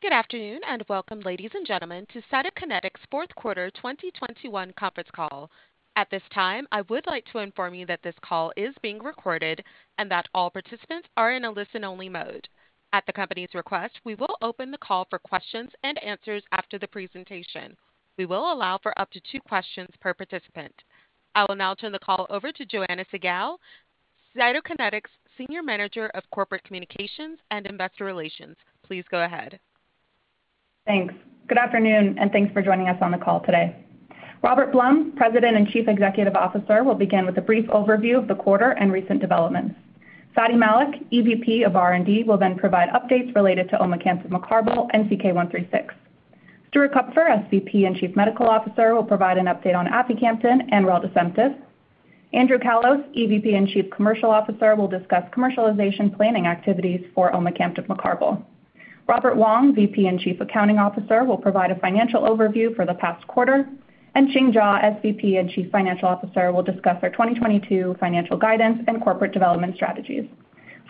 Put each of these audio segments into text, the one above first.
Good afternoon and welcome, ladies and gentlemen, to Cytokinetics' fourth quarter 2021 conference call. At this time, I would like to inform you that this call is being recorded and that all participants are in a listen-only mode. At the company's request, we will open the call for questions and answers after the presentation. We will allow for up to two questions per participant. I will now turn the call over to Joanna Siegall, Cytokinetics' Senior Manager of Corporate Communications and Investor Relations. Please go ahead. Thanks. Good afternoon, and thanks for joining us on the call today. Robert Blum, President and Chief Executive Officer, will begin with a brief overview of the quarter and recent developments. Fady Malik, EVP of R&D, will then provide updates related to omecamtiv mecarbil and CK-136. Stuart Kupfer, SVP and Chief Medical Officer, will provide an update on aficamten and reldesemtiv. Andrew Callos, EVP and Chief Commercial Officer, will discuss commercialization planning activities for omecamtiv mecarbil. Robert Wong, VP and Chief Accounting Officer, will provide a financial overview for the past quarter. Ching Jaw, SVP and Chief Financial Officer, will discuss our 2022 financial guidance and corporate development strategies.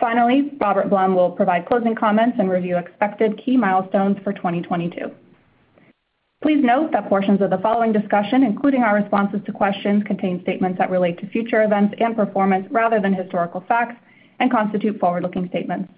Finally, Robert Blum will provide closing comments and review expected key milestones for 2022. Please note that portions of the following discussion, including our responses to questions, contain statements that relate to future events and performance rather than historical facts and constitute forward-looking statements.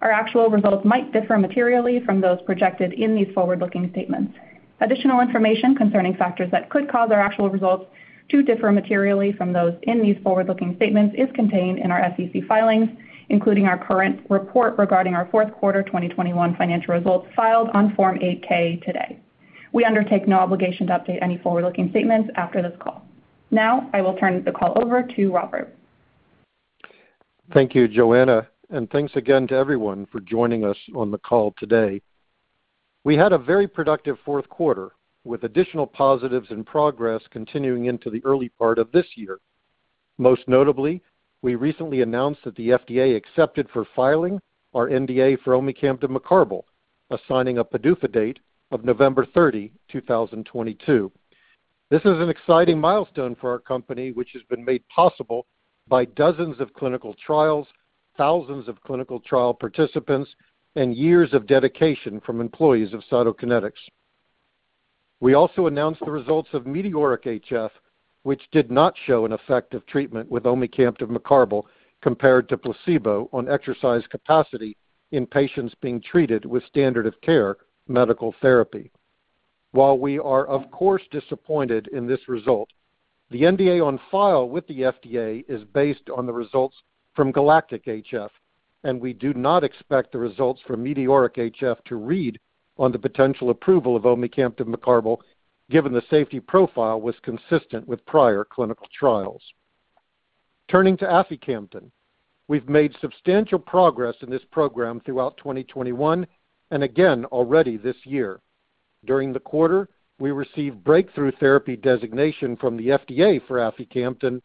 Our actual results might differ materially from those projected in these forward-looking statements. Additional information concerning factors that could cause our actual results to differ materially from those in these forward-looking statements is contained in our SEC filings, including our current report regarding our fourth quarter 2021 financial results filed on Form 8-K today. We undertake no obligation to update any forward-looking statements after this call. Now, I will turn the call over to Robert. Thank you, Joanna, and thanks again to everyone for joining us on the call today. We had a very productive fourth quarter, with additional positives and progress continuing into the early part of this year. Most notably, we recently announced that the FDA accepted for filing our NDA for omecamtiv mecarbil, assigning a PDUFA date of November 30, 2022. This is an exciting milestone for our company, which has been made possible by dozens of clinical trials, thousands of clinical trial participants, and years of dedication from employees of Cytokinetics. We also announced the results of METEORIC-HF, which did not show an effective treatment with omecamtiv mecarbil compared to placebo on exercise capacity in patients being treated with standard of care medical therapy. While we are of course disappointed in this result, the NDA on file with the FDA is based on the results from GALACTIC-HF, and we do not expect the results from METEORIC-HF to read on the potential approval of omecamtiv mecarbil, given the safety profile was consistent with prior clinical trials. Turning to aficamten. We've made substantial progress in this program throughout 2021 and again already this year. During the quarter, we received breakthrough therapy designation from the FDA for aficamten.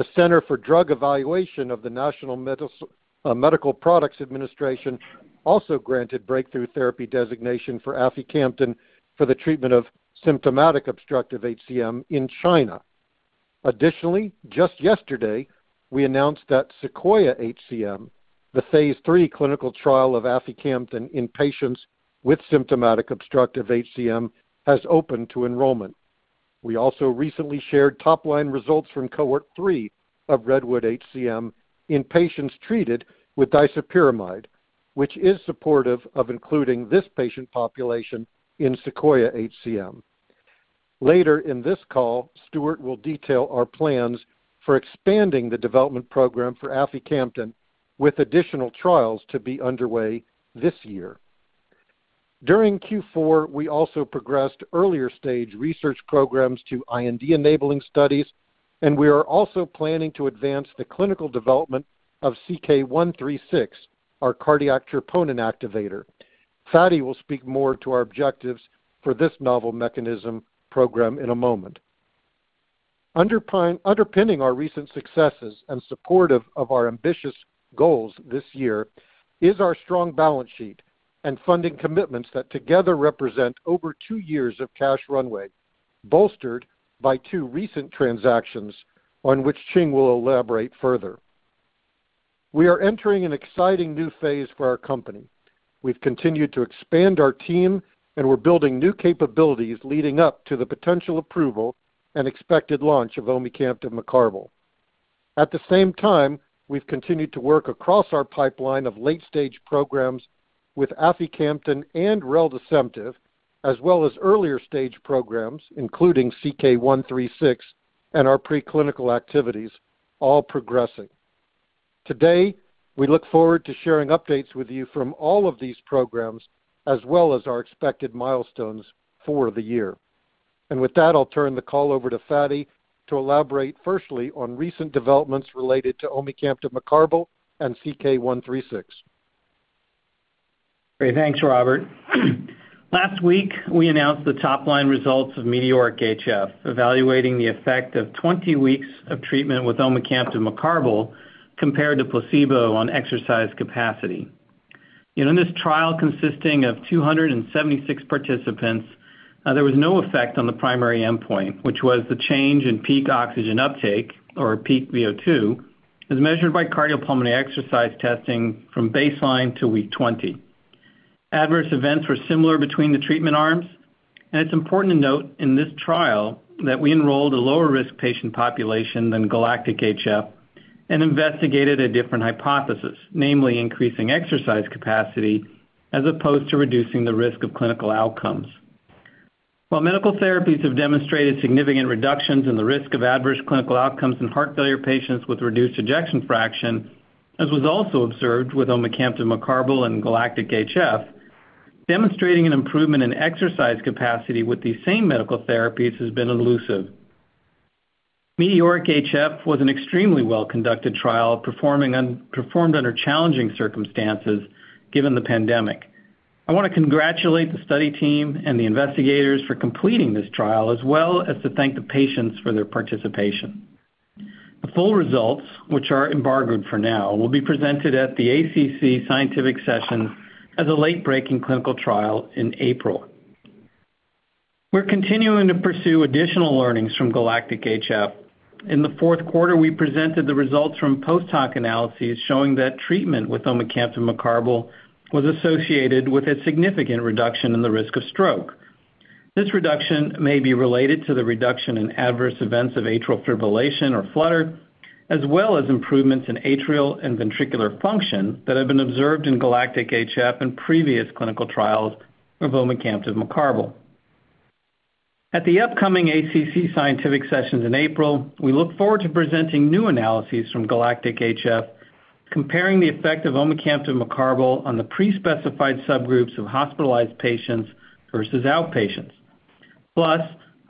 The Center for Drug Evaluation of the National Medical Products Administration also granted breakthrough therapy designation for aficamten for the treatment of symptomatic obstructive HCM in China. Additionally, just yesterday, we announced that SEQUOIA-HCM, the phase III clinical trial of aficamten in patients with symptomatic obstructive HCM, has opened to enrollment. We also recently shared top-line results from Cohort 3 of REDWOOD-HCM in patients treated with disopyramide, which is supportive of including this patient population in SEQUOIA-HCM. Later in this call, Stuart will detail our plans for expanding the development program for aficamten with additional trials to be underway this year. During Q4, we also progressed earlier-stage research programs to IND-enabling studies, and we are also planning to advance the clinical development of CK-136, our cardiac troponin activator. Fady will speak more to our objectives for this novel mechanism program in a moment. Underpinning our recent successes and supportive of our ambitious goals this year is our strong balance sheet and funding commitments that together represent over two years of cash runway, bolstered by two recent transactions on which Ching will elaborate further. We are entering an exciting new phase for our company. We've continued to expand our team, and we're building new capabilities leading up to the potential approval and expected launch of omecamtiv mecarbil. At the same time, we've continued to work across our pipeline of late-stage programs with aficamten and reldesemtiv, as well as earlier-stage programs, including CK-136 and our preclinical activities, all progressing. Today, we look forward to sharing updates with you from all of these programs as well as our expected milestones for the year. With that, I'll turn the call over to Fady to elaborate firstly on recent developments related to omecamtiv mecarbil and CK-136. Great. Thanks, Robert. Last week, we announced the top-line results of METEORIC-HF, evaluating the effect of 20 weeks of treatment with omecamtiv mecarbil compared to placebo on exercise capacity. In this trial consisting of 276 participants, there was no effect on the primary endpoint, which was the change in peak oxygen uptake or peak VO2. As measured by cardiopulmonary exercise testing from baseline to week 20. Adverse events were similar between the treatment arms. It's important to note in this trial that we enrolled a lower-risk patient population than GALACTIC-HF and investigated a different hypothesis, namely increasing exercise capacity as opposed to reducing the risk of clinical outcomes. While medical therapies have demonstrated significant reductions in the risk of adverse clinical outcomes in heart failure patients with reduced ejection fraction, as was also observed with omecamtiv mecarbil and GALACTIC-HF, demonstrating an improvement in exercise capacity with the same medical therapies has been elusive. METEORIC-HF was an extremely well-conducted trial performed under challenging circumstances given the pandemic. I wanna congratulate the study team and the investigators for completing this trial, as well as to thank the patients for their participation. The full results, which are embargoed for now, will be presented at the ACC Scientific Session as a late-breaking clinical trial in April. We're continuing to pursue additional learnings from GALACTIC-HF. In the fourth quarter, we presented the results from post-hoc analyses showing that treatment with omecamtiv mecarbil was associated with a significant reduction in the risk of stroke. This reduction may be related to the reduction in adverse events of atrial fibrillation or flutter, as well as improvements in atrial and ventricular function that have been observed in GALACTIC-HF and previous clinical trials of omecamtiv mecarbil. At the upcoming ACC Scientific Sessions in April, we look forward to presenting new analyses from GALACTIC-HF, comparing the effect of omecamtiv mecarbil on the pre-specified subgroups of hospitalized patients versus outpatients. Plus,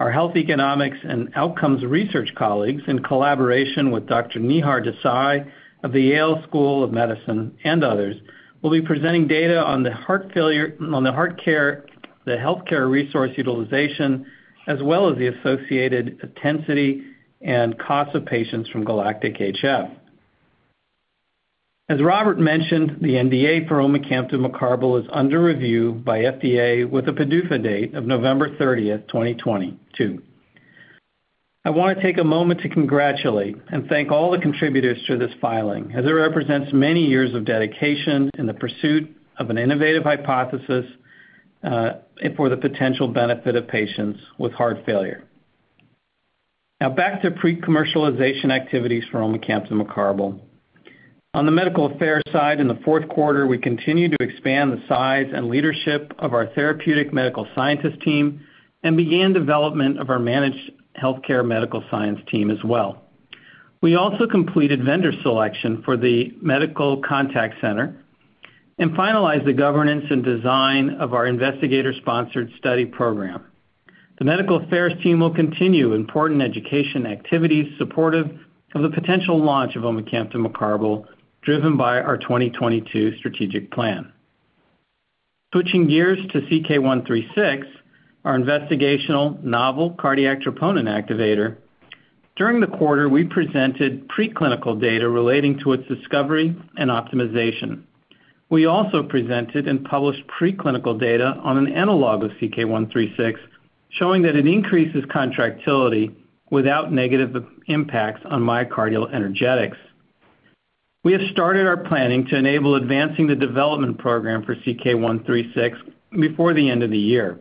our health economics and outcomes research colleagues, in collaboration with Dr. Nihar Desai of the Yale School of Medicine and others will be presenting data on the heart care, the healthcare resource utilization, as well as the associated intensity and cost of patients from GALACTIC-HF. As Robert mentioned, the NDA for omecamtiv mecarbil is under review by FDA with a PDUFA date of November 30th, 2022. I wanna take a moment to congratulate and thank all the contributors to this filing, as it represents many years of dedication in the pursuit of an innovative hypothesis, and for the potential benefit of patients with heart failure. Now, back to pre-commercialization activities for omecamtiv mecarbil. On the medical affairs side in the fourth quarter, we continued to expand the size and leadership of our therapeutic medical scientist team and began development of our managed healthcare medical science team as well. We also completed vendor selection for the medical contact center and finalized the governance and design of our investigator-sponsored study program. The medical affairs team will continue important education activities supportive of the potential launch of omecamtiv mecarbil, driven by our 2022 strategic plan. Switching gears to CK-136, our investigational novel cardiac troponin activator, during the quarter, we presented preclinical data relating to its discovery and optimization. We also presented and published preclinical data on an analog of CK-136, showing that it increases contractility without negative impacts on myocardial energetics. We have started our planning to enable advancing the development program for CK-136 before the end of the year.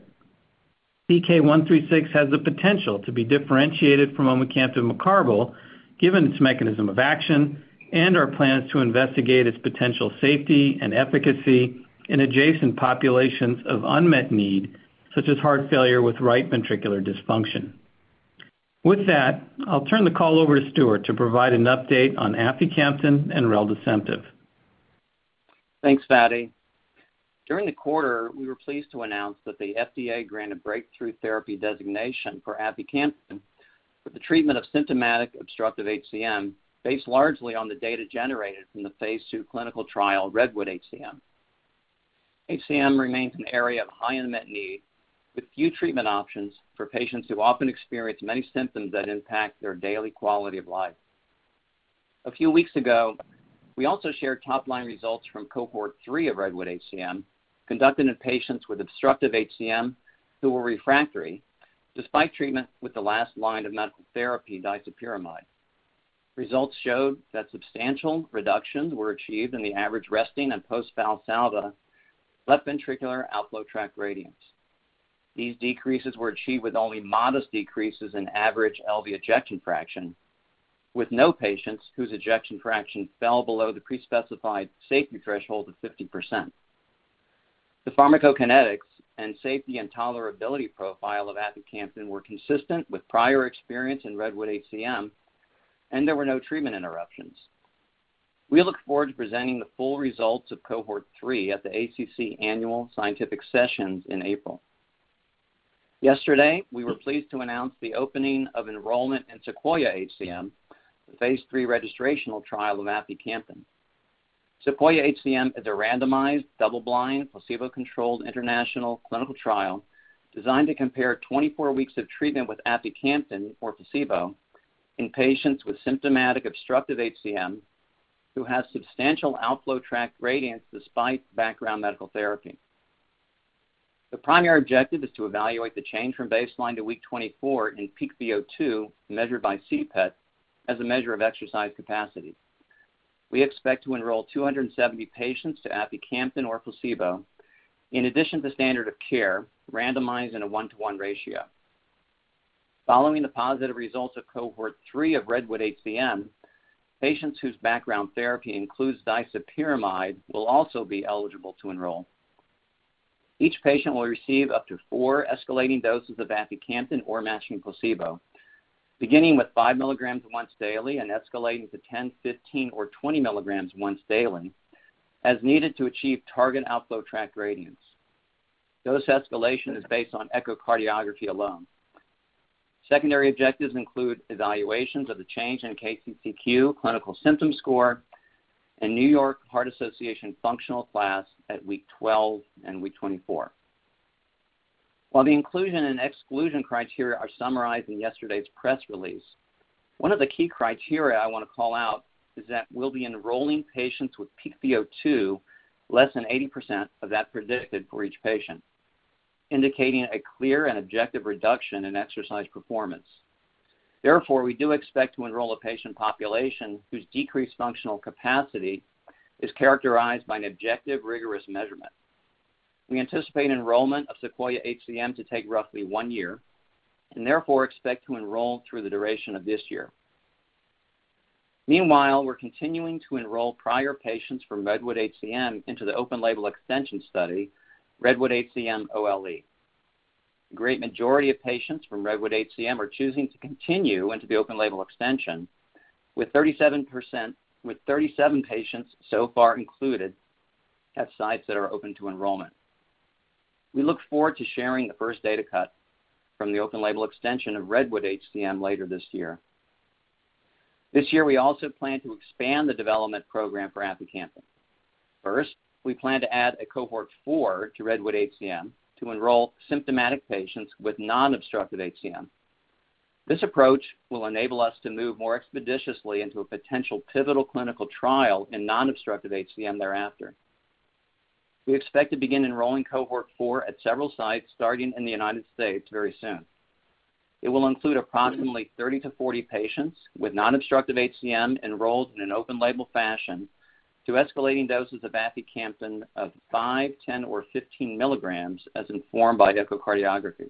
CK-136 has the potential to be differentiated from omecamtiv mecarbil given its mechanism of action and our plans to investigate its potential safety and efficacy in adjacent populations of unmet need, such as heart failure with right ventricular dysfunction. With that, I'll turn the call over to Stuart to provide an update on aficamten and reldesemtiv. Thanks, Fady. During the quarter, we were pleased to announce that the FDA granted breakthrough therapy designation for aficamten for the treatment of symptomatic obstructive HCM based largely on the data generated from the phase II clinical trial, REDWOOD-HCM. HCM remains an area of high unmet need with few treatment options for patients who often experience many symptoms that impact their daily quality of life. A few weeks ago, we also shared top-line results from Cohort 3 of REDWOOD-HCM conducted in patients with obstructive HCM who were refractory despite treatment with the last line of medical therapy, disopyramide. Results showed that substantial reductions were achieved in the average resting and post-valsalva left ventricular outflow tract gradients. These decreases were achieved with only modest decreases in average LV ejection fraction, with no patients whose ejection fraction fell below the pre-specified safety threshold of 50%. The pharmacokinetics and safety and tolerability profile of aficamten were consistent with prior experience in REDWOOD-HCM, and there were no treatment interruptions. We look forward to presenting the full results of Cohort 3 at the ACC Scientific Session in April. Yesterday, we were pleased to announce the opening of enrollment in SEQUOIA-HCM, the phase III registrational trial of aficamten. SEQUOIA-HCM is a randomized, double-blind, placebo-controlled international clinical trial designed to compare 24 weeks of treatment with aficamten or placebo in patients with symptomatic obstructive HCM who have substantial outflow tract gradients despite background medical therapy. The primary objective is to evaluate the change from baseline to week 24 in peak VO2, measured by CPET, as a measure of exercise capacity. We expect to enroll 270 patients to aficamten or placebo. In addition to standard of care, randomized in a 1:1 ratio. Following the positive results of Cohort 3 of REDWOOD-HCM, patients whose background therapy includes disopyramide will also be eligible to enroll. Each patient will receive up to four escalating doses of aficamten or matching placebo, beginning with 5 milligram once daily and escalating to 10 milligrams, 15 milligrams, or 20 milligrams once daily, as needed to achieve target outflow tract gradients. Dose escalation is based on echocardiography alone. Secondary objectives include evaluations of the change in KCCQ, clinical symptom score, and New York Heart Association functional class at week 12 and week 24. While the inclusion and exclusion criteria are summarized in yesterday's press release, one of the key criteria I want to call out is that we'll be enrolling patients with peak VO2 less than 80% of that predicted for each patient, indicating a clear and objective reduction in exercise performance. Therefore, we do expect to enroll a patient population whose decreased functional capacity is characterized by an objective, rigorous measurement. We anticipate enrollment of SEQUOIA-HCM to take roughly one year, and therefore expect to enroll through the duration of this year. Meanwhile, we're continuing to enroll prior patients from REDWOOD-HCM into the open label extension study, REDWOOD-HCM OLE. A great majority of patients from REDWOOD-HCM are choosing to continue into the open label extension, with 37 patients so far included at sites that are open to enrollment. We look forward to sharing the first data cut from the open label extension of REDWOOD-HCM later this year. This year, we also plan to expand the development program for aficamten. First, we plan to add a Cohort 4 to REDWOOD-HCM to enroll symptomatic patients with non-obstructive HCM. This approach will enable us to move more expeditiously into a potential pivotal clinical trial in non-obstructive HCM thereafter. We expect to begin enrolling Cohort 4 at several sites starting in the United States very soon. It will include approximately 30-40 patients with non-obstructive HCM enrolled in an open-label fashion to escalating doses of aficamten of 5, 10, or 15 milligrams as informed by echocardiography.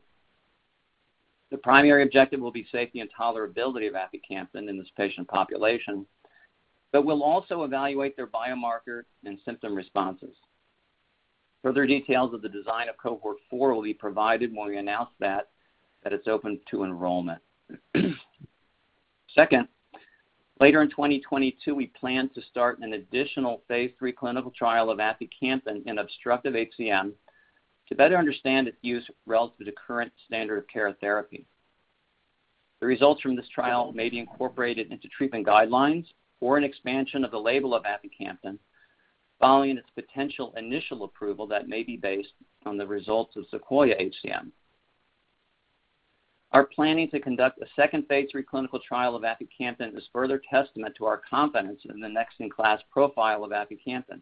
The primary objective will be safety and tolerability of aficamten in this patient population, but we'll also evaluate their biomarker and symptom responses. Further details of the design of Cohort 4 will be provided when we announce that it's open to enrollment. Second, later in 2022, we plan to start an additional phase III clinical trial of aficamten in obstructive HCM to better understand its use relative to current standard of care therapy. The results from this trial may be incorporated into treatment guidelines or an expansion of the label of aficamten following its potential initial approval that may be based on the results of SEQUOIA-HCM. Our planning to conduct a second phase III clinical trial of aficamten is further testament to our confidence in the best in class profile of aficamten.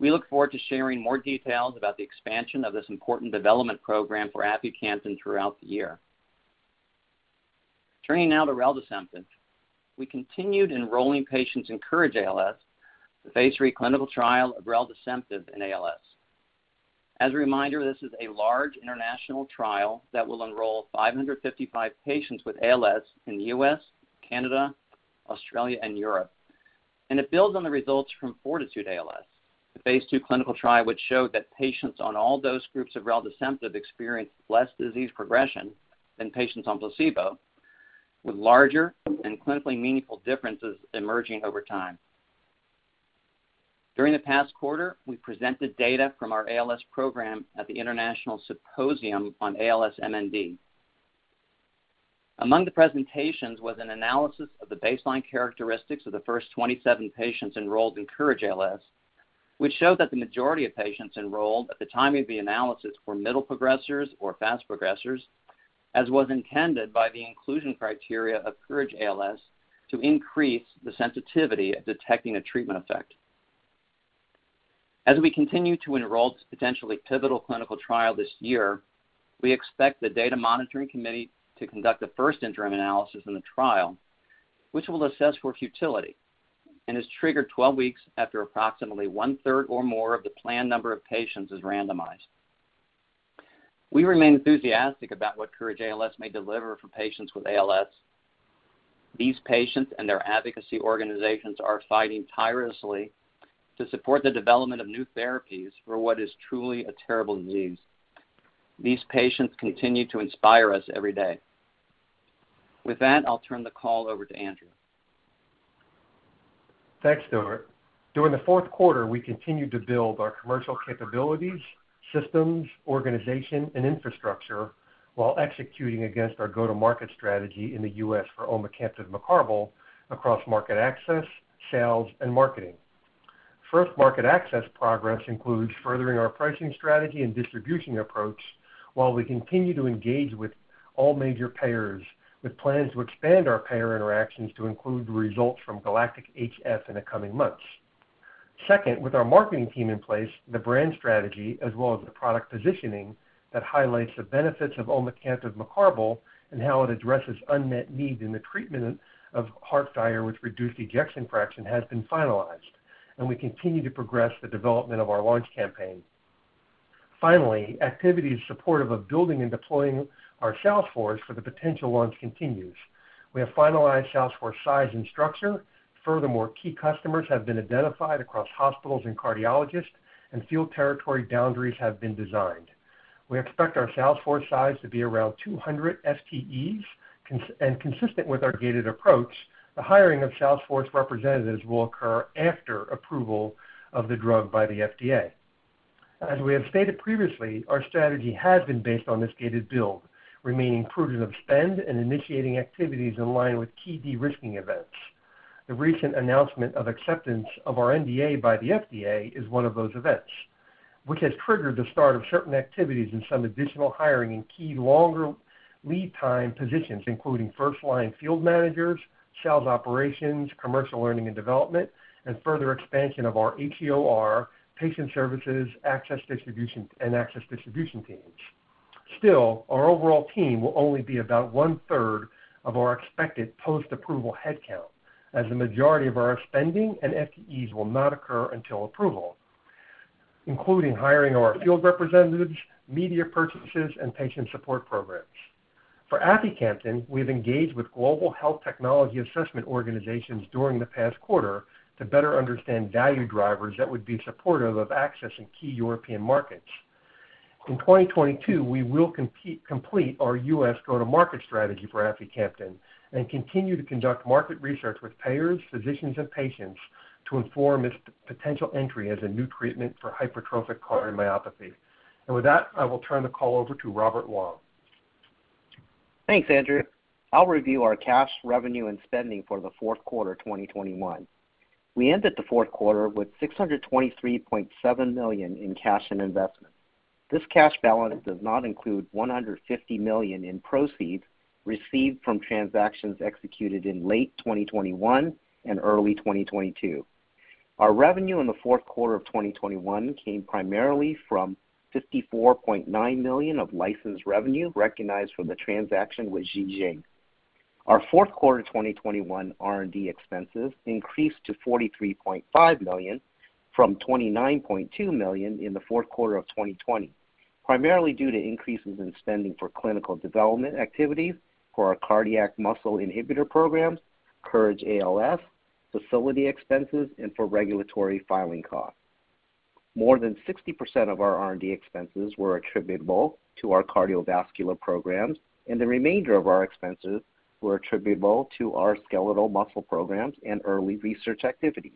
We look forward to sharing more details about the expansion of this important development program for aficamten throughout the year. Turning now to reldesemtiv, we continued enrolling patients in COURAGE-ALS, the phase III clinical trial of reldesemtiv in ALS. As a reminder, this is a large international trial that will enroll 555 patients with ALS in the U.S., Canada, Australia, and Europe. It builds on the results from FORTITUDE-ALS, the phase II clinical trial which showed that patients on all dose groups of reldesemtiv experienced less disease progression than patients on placebo, with larger and clinically meaningful differences emerging over time. During the past quarter, we presented data from our ALS program at the International Symposium on ALS/MND. Among the presentations was an analysis of the baseline characteristics of the first 27 patients enrolled in COURAGE-ALS, which showed that the majority of patients enrolled at the time of the analysis were middle progressors or fast progressors, as was intended by the inclusion criteria of COURAGE-ALS to increase the sensitivity of detecting a treatment effect. As we continue to enroll this potentially pivotal clinical trial this year, we expect the data monitoring committee to conduct the first interim analysis in the trial, which will assess for futility and is triggered 12 weeks after approximately one-third or more of the planned number of patients is randomized. We remain enthusiastic about what COURAGE-ALS may deliver for patients with ALS. These patients and their advocacy organizations are fighting tirelessly to support the development of new therapies for what is truly a terrible disease. These patients continue to inspire us every day. With that, I'll turn the call over to Andrew. Thanks, Stuart. During the fourth quarter, we continued to build our commercial capabilities, systems, organization, and infrastructure while executing against our go-to-market strategy in the U.S. for omecamtiv mecarbil across market access, sales, and marketing. First, market access progress includes furthering our pricing strategy and distribution approach while we continue to engage with all major payers, with plans to expand our payer interactions to include the results from GALACTIC-HF in the coming months. Second, with our marketing team in place, the brand strategy as well as the product positioning that highlights the benefits of omecamtiv mecarbil and how it addresses unmet need in the treatment of heart failure with reduced ejection fraction has been finalized, and we continue to progress the development of our launch campaign. Finally, activities supportive of building and deploying our sales force for the potential launch continues. We have finalized sales force size and structure. Furthermore, key customers have been identified across hospitals and cardiologists, and field territory boundaries have been designed. We expect our sales force size to be around 200 FTEs. Consistent with our gated approach, the hiring of sales force representatives will occur after approval of the drug by the FDA. As we have stated previously, our strategy has been based on this gated build, remaining prudent of spend and initiating activities in line with key de-risking events. The recent announcement of acceptance of our NDA by the FDA is one of those events, which has triggered the start of certain activities and some additional hiring in key longer lead time positions, including first-line field managers, sales operations, commercial learning and development, and further expansion of our HEOR patient services, access distribution, and access distribution teams. Still, our overall team will only be about 1/3 of our expected post-approval headcount, as the majority of our spending and FTEs will not occur until approval, including hiring our field representatives, media purchases, and patient support programs. For aficamten, we've engaged with global health technology assessment organizations during the past quarter to better understand value drivers that would be supportive of accessing key European markets. In 2022, we will complete our U.S. go-to-market strategy for aficamten and continue to conduct market research with payers, physicians, and patients to inform its potential entry as a new treatment for hypertrophic cardiomyopathy. With that, I will turn the call over to Robert Wong. Thanks, Andrew. I'll review our cash, revenue, and spending for the fourth quarter of 2021. We ended the fourth quarter with $623.7 million in cash and investment. This cash balance does not include $150 million in proceeds received from transactions executed in late 2021 and early 2022. Our revenue in the fourth quarter of 2021 came primarily from $54.9 million of license revenue recognized from the transaction with Ji Xing. Our fourth quarter 2021 R&D expenses increased to $43.5 million from $29.2 million in the fourth quarter of 2020, primarily due to increases in spending for clinical development activities for our cardiac muscle inhibitor programs, COURAGE-ALS, facility expenses, and for regulatory filing costs. More than 60% of our R&D expenses were attributable to our cardiovascular programs, and the remainder of our expenses were attributable to our skeletal muscle programs and early research activities.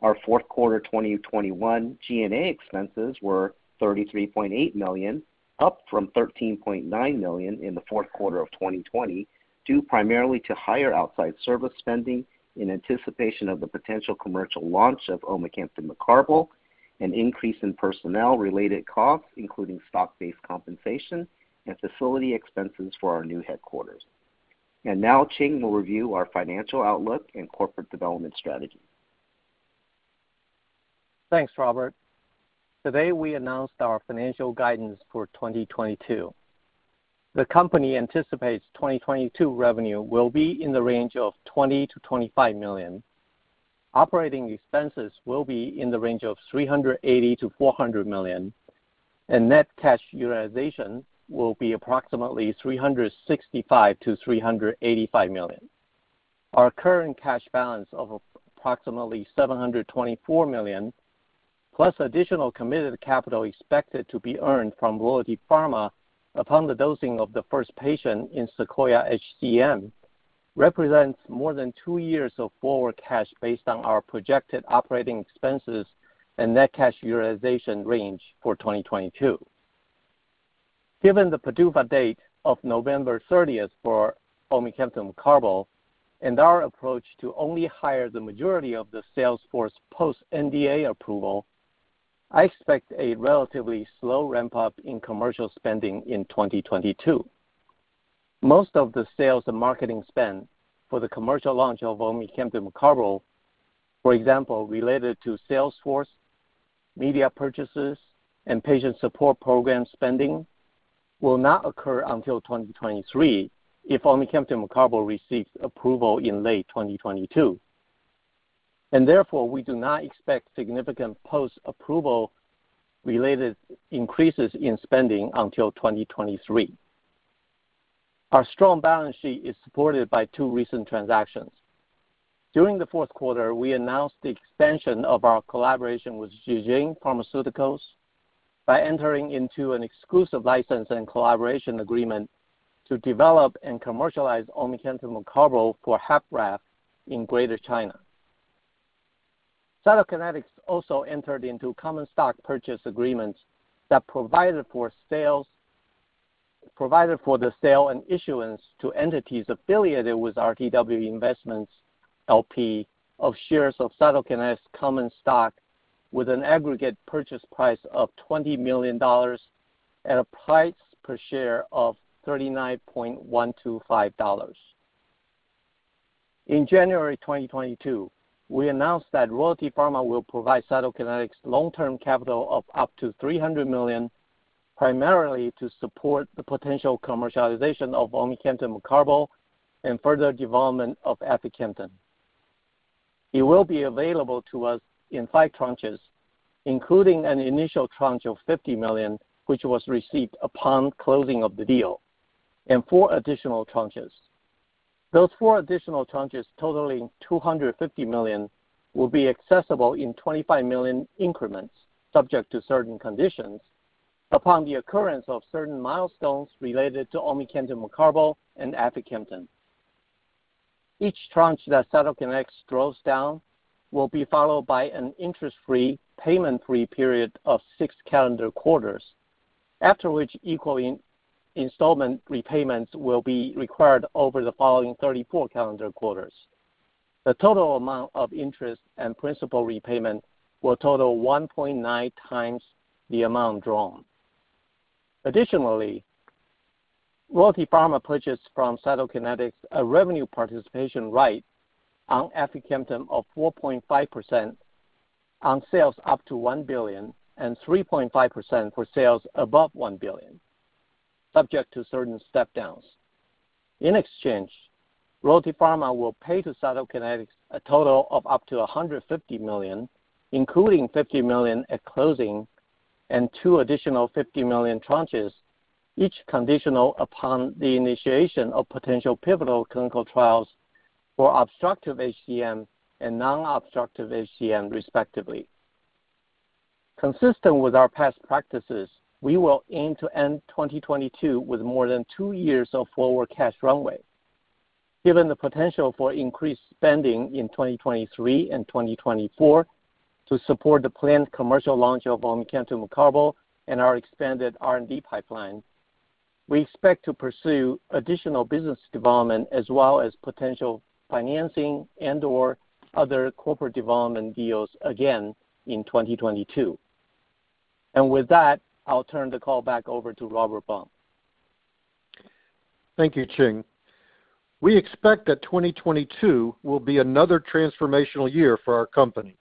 Our fourth quarter 2021 G&A expenses were $33.8 million, up from $13.9 million in the fourth quarter of 2020 due primarily to higher outside service spending in anticipation of the potential commercial launch of omecamtiv mecarbil, an increase in personnel-related costs, including stock-based compensation and facility expenses for our new headquarters. Now, Ching will review our financial outlook and corporate development strategy. Thanks, Robert. Today, we announced our financial guidance for 2022. The company anticipates 2022 revenue will be in the range of $20 million-$25 million. Operating expenses will be in the range of $380 million-$400 million. Net cash utilization will be approximately $365 million-$385 million. Our current cash balance of approximately $724 million, plus additional committed capital expected to be earned from Royalty Pharma upon the dosing of the first patient in SEQUOIA-HCM, represents more than two years of forward cash based on our projected operating expenses and net cash utilization range for 2022. Given the PDUFA date of November 30th for omecamtiv mecarbil and our approach to only hire the majority of the sales force post NDA approval, I expect a relatively slow ramp-up in commercial spending in 2022. Most of the sales and marketing spend for the commercial launch of omecamtiv mecarbil, for example, related to sales force, media purchases, and patient support program spending, will not occur until 2023 if omecamtiv mecarbil receives approval in late 2022. Therefore, we do not expect significant post-approval related increases in spending until 2023. Our strong balance sheet is supported by two recent transactions. During the fourth quarter, we announced the expansion of our collaboration with Ji Xing Pharmaceuticals by entering into an exclusive license and collaboration agreement to develop and commercialize omecamtiv mecarbil for HFpEF in Greater China. Cytokinetics also entered into common stock purchase agreements that provided for the sale and issuance to entities affiliated with RTW Investments, LP of shares of Cytokinetics' common stock with an aggregate purchase price of $20 million at a price per share of $39.125. In January 2022, we announced that Royalty Pharma will provide Cytokinetics long-term capital of up to $300 million, primarily to support the potential commercialization of omecamtiv mecarbil and further development of aficamten. It will be available to us in five tranches, including an initial tranche of $50 million, which was received upon closing of the deal, and four additional tranches. Those four additional tranches totaling $250 million will be accessible in $25 million increments subject to certain conditions upon the occurrence of certain milestones related to omecamtiv mecarbil and aficamten. Each tranche that Cytokinetics draws down will be followed by an interest-free, payment-free period of six calendar quarters, after which equal in-installment repayments will be required over the following 34 calendar quarters. The total amount of interest and principal repayment will total 1.9 times the amount drawn. Additionally, Royalty Pharma purchased from Cytokinetics a revenue participation right on aficamten of 4.5% on sales up to $1 billion and 3.5% for sales above $1 billion, subject to certain step downs. In exchange, Royalty Pharma will pay to Cytokinetics a total of up to $150 million, including $50 million at closing and two additional $50 million tranches, each conditional upon the initiation of potential pivotal clinical trials for obstructive HCM and non-obstructive HCM, respectively. Consistent with our past practices, we will aim to end 2022 with more than two years of forward cash runway. Given the potential for increased spending in 2023 and 2024 to support the planned commercial launch of omecamtiv mecarbil and our expanded R&D pipeline, we expect to pursue additional business development as well as potential financing and/or other corporate development deals again in 2022. With that, I'll turn the call back over to Robert Blum. Thank you, Ching. We expect that 2022 will be another transformational year for our company.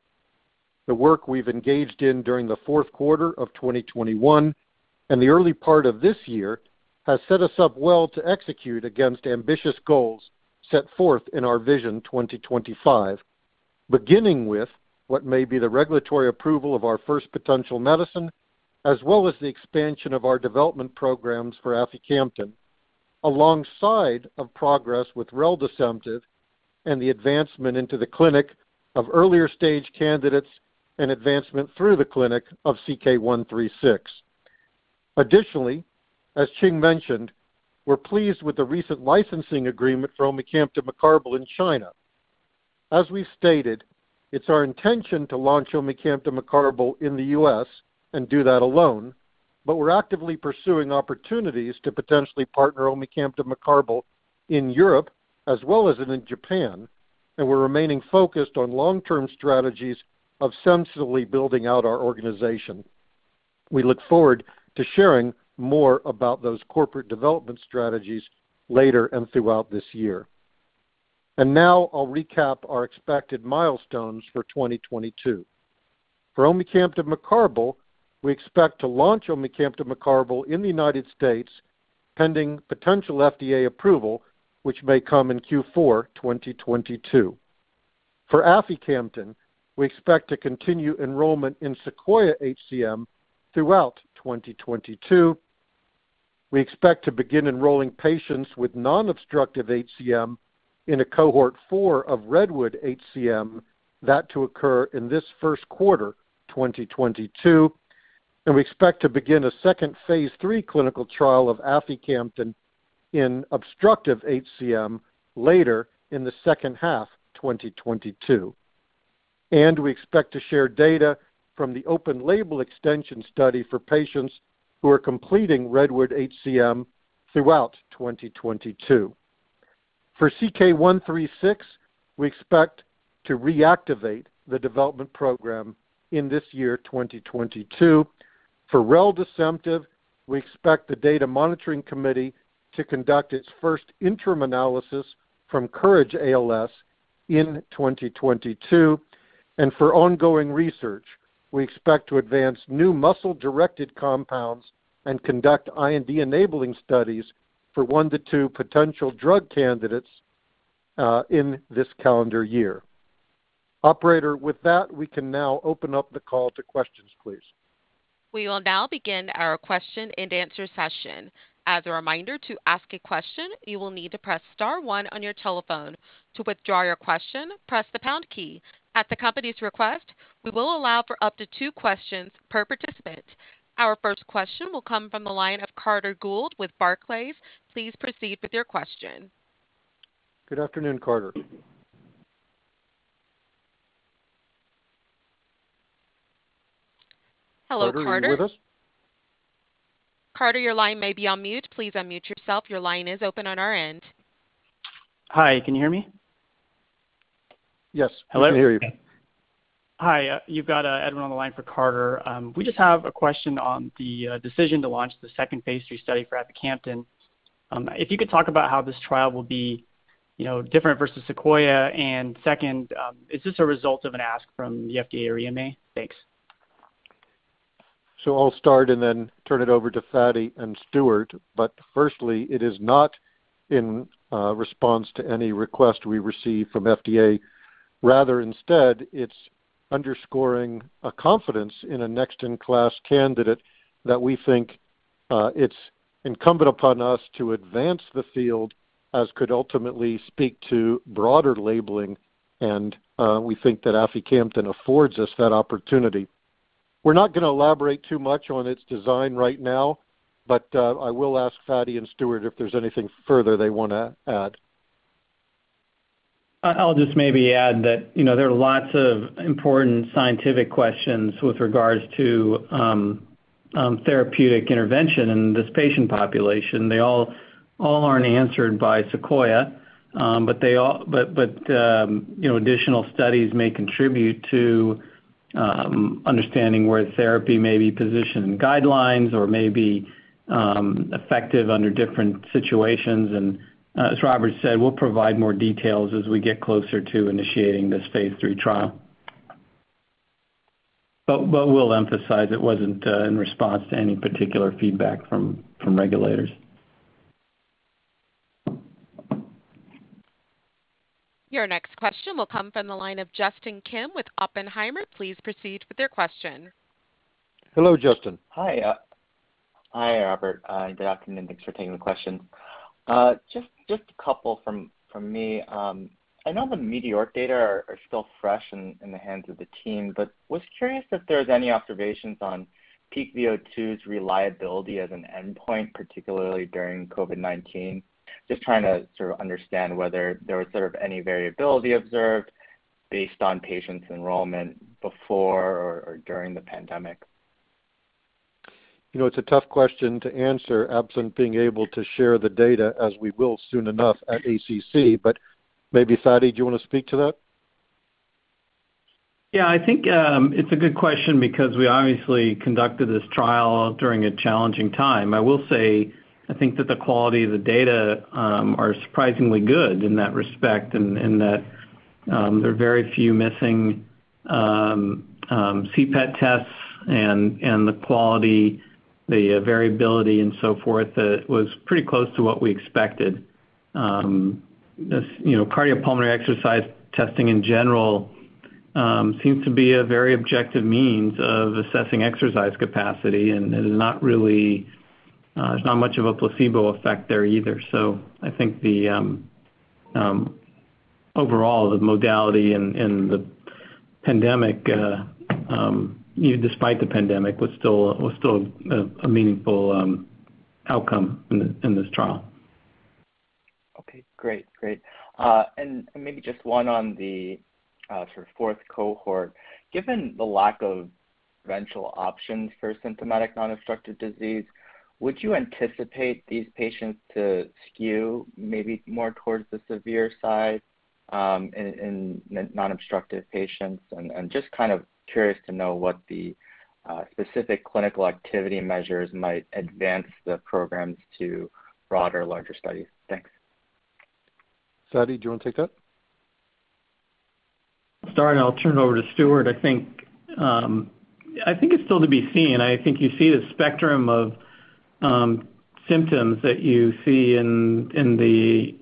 The work we've engaged in during the fourth quarter of 2021 and the early part of this year has set us up well to execute against ambitious goals set forth in our Vision 2025, beginning with what may be the regulatory approval of our first potential medicine, as well as the expansion of our development programs for aficamten alongside of progress with reldesemtiv and the advancement into the clinic of earlier stage candidates and advancement through the clinic of CK-136. Additionally, as Ching mentioned, we're pleased with the recent licensing agreement for omecamtiv mecarbil in China. As we stated, it's our intention to launch omecamtiv mecarbil in the U.S. and do that alone, but we're actively pursuing opportunities to potentially partner omecamtiv mecarbil in Europe as well as in Japan, and we're remaining focused on long-term strategies of sensibly building out our organization. We look forward to sharing more about those corporate development strategies later and throughout this year. Now, I'll recap our expected milestones for 2022. For omecamtiv mecarbil, we expect to launch omecamtiv mecarbil in the United States pending potential FDA approval, which may come in Q4 2022. For aficamten, we expect to continue enrollment in SEQUOIA-HCM throughout 2022. We expect to begin enrolling patients with non-obstructive HCM in a Cohort 4 of REDWOOD-HCM, that to occur in this first quarter 2022. We expect to begin a second phase III clinical trial of aficamten in obstructive HCM later in the second half 2022. We expect to share data from the open-label extension study for patients who are completing REDWOOD-HCM throughout 2022. For CK-136, we expect to reactivate the development program in this year, 2022. For reldesemtiv, we expect the data monitoring committee to conduct its first interim analysis from COURAGE-ALS in 2022. For ongoing research, we expect to advance new muscle-directed compounds and conduct IND-enabling studies for one to two potential drug candidates in this calendar year. Operator, with that, we can now open up the call to questions, please. We will now begin our question-and-answer session. As a reminder, to ask a question, you will need to press star one on your telephone. To withdraw your question, press the pound key. At the company's request, we will allow for up to two questions per participant. Our first question will come from the line of Carter Gould with Barclays. Please proceed with your question. Good afternoon, Carter. Hello, Carter. Carter, are you with us? Carter, your line may be on mute. Please unmute yourself. Your line is open on our end. Hi, can you hear me? Yes. Hello. We can hear you. Hi. You've got Edward on the line for Carter. We just have a question on the decision to launch the second phase III study for aficamten. If you could talk about how this trial will be, you know, different versus SEQUOIA. Second, is this a result of an ask from the FDA or EMA? Thanks. I'll start and then turn it over to Fady and Stuart. Firstly, it is not in response to any request we receive from FDA. Rather instead, it's underscoring a confidence in a next-in-class candidate that we think it's incumbent upon us to advance the field as could ultimately speak to broader labeling, and we think that aficamten affords us that opportunity. We're not gonna elaborate too much on its design right now, but I will ask Fady and Stuart if there's anything further they wanna add. I'll just maybe add that, you know, there are lots of important scientific questions with regards to therapeutic intervention in this patient population. They all aren't answered by SEQUOIA, but they all, you know, additional studies may contribute to understanding where therapy may be positioned in guidelines or may be effective under different situations. As Robert said, we'll provide more details as we get closer to initiating this phase III trial. We'll emphasize it wasn't in response to any particular feedback from regulators. Your next question will come from the line of Justin Kim with Oppenheimer. Please proceed with your question. Hello, Justin. Hi, Robert and thank you for taking the question. Just a couple from me. I know the METEORIC-HF data are still fresh in the hands of the team, but was curious if there's any observations on peak VO2's reliability as an endpoint, particularly during COVID-19. Just trying to sort of understand whether there was sort of any variability observed based on patients' enrollment before or during the pandemic. You know, it's a tough question to answer absent being able to share the data as we will soon enough at ACC, but maybe Fady, do you wanna speak to that? Yeah, I think it's a good question because we obviously conducted this trial during a challenging time. I will say I think that the quality of the data are surprisingly good in that respect and that there are very few missing CPET tests and the quality, the variability and so forth was pretty close to what we expected. As you know, cardiopulmonary exercise testing in general seems to be a very objective means of assessing exercise capacity and is not really, there's not much of a placebo effect there either. I think the overall, the modality and the pandemic, despite the pandemic was still a meaningful outcome in this trial. Okay, great. Maybe just one on the sort of fourth cohort. Given the lack of eventual options for symptomatic non-obstructive disease, would you anticipate these patients to skew maybe more towards the severe side in non-obstructive patients? I'm just kind of curious to know what the specific clinical activity measures might advance the programs to broader, larger studies. Thanks. Fady, do you wanna take that? Sorry, I'll turn it over to Stuart. I think it's still to be seen. I think you see the spectrum of symptoms that you see in the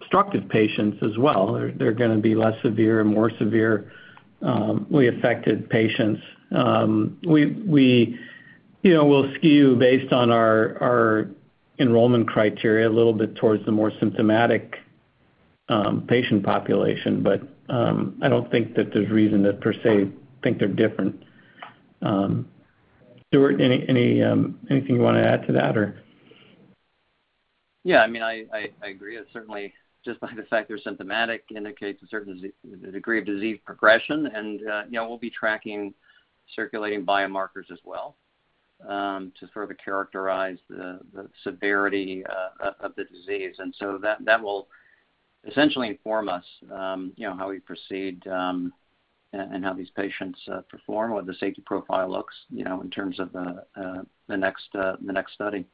obstructive patients as well. They're gonna be less severe and more severely affected patients. We, you know, we'll skew based on our enrollment criteria a little bit towards the more symptomatic patient population. I don't think that there's reason to per se think they're different. Stuart, anything you wanna add to that or? Yeah, I mean, I agree. It's certainly just by the fact they're symptomatic indicates a certain disease, a degree of disease progression. We'll be tracking circulating biomarkers as well to further characterize the severity of the disease. That will essentially inform us, you know, how we proceed and how these patients perform, what the safety profile looks, you know, in terms of the next study.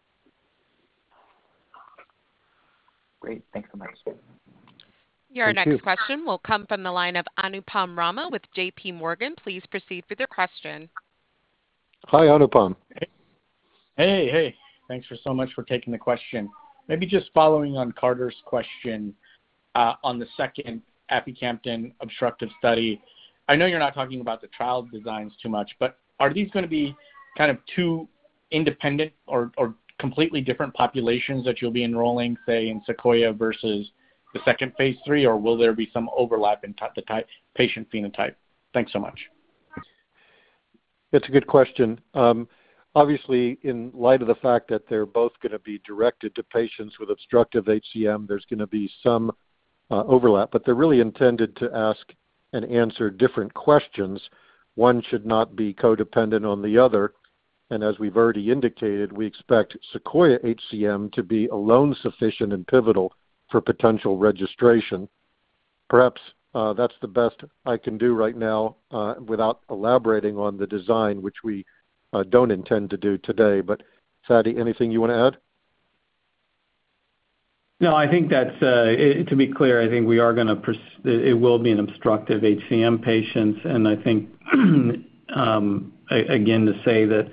Great. Thanks so much. Thank you. Your next question will come from the line of Anupam Rama with JPMorgan. Please proceed with your question. Hi, Anupam. Hey, hey. Thanks so much for taking the question. Maybe just following on Carter's question on the second aficamten obstructive study. I know you're not talking about the trial designs too much, but are these gonna be kind of two independent or completely different populations that you'll be enrolling, say, in SEQUOIA versus the second phase III? Or will there be some overlap in the type patient phenotype? Thanks so much. That's a good question. Obviously, in light of the fact that they're both gonna be directed to patients with obstructive HCM, there's gonna be some overlap, but they're really intended to ask and answer different questions. One should not be codependent on the other. As we've already indicated, we expect SEQUOIA-HCM to be alone sufficient and pivotal for potential registration. Perhaps, that's the best I can do right now, without elaborating on the design, which we don't intend to do today. Fady, anything you wanna add? No, I think that's, to be clear, I think it will be in obstructive HCM patients. I think, again, to say that,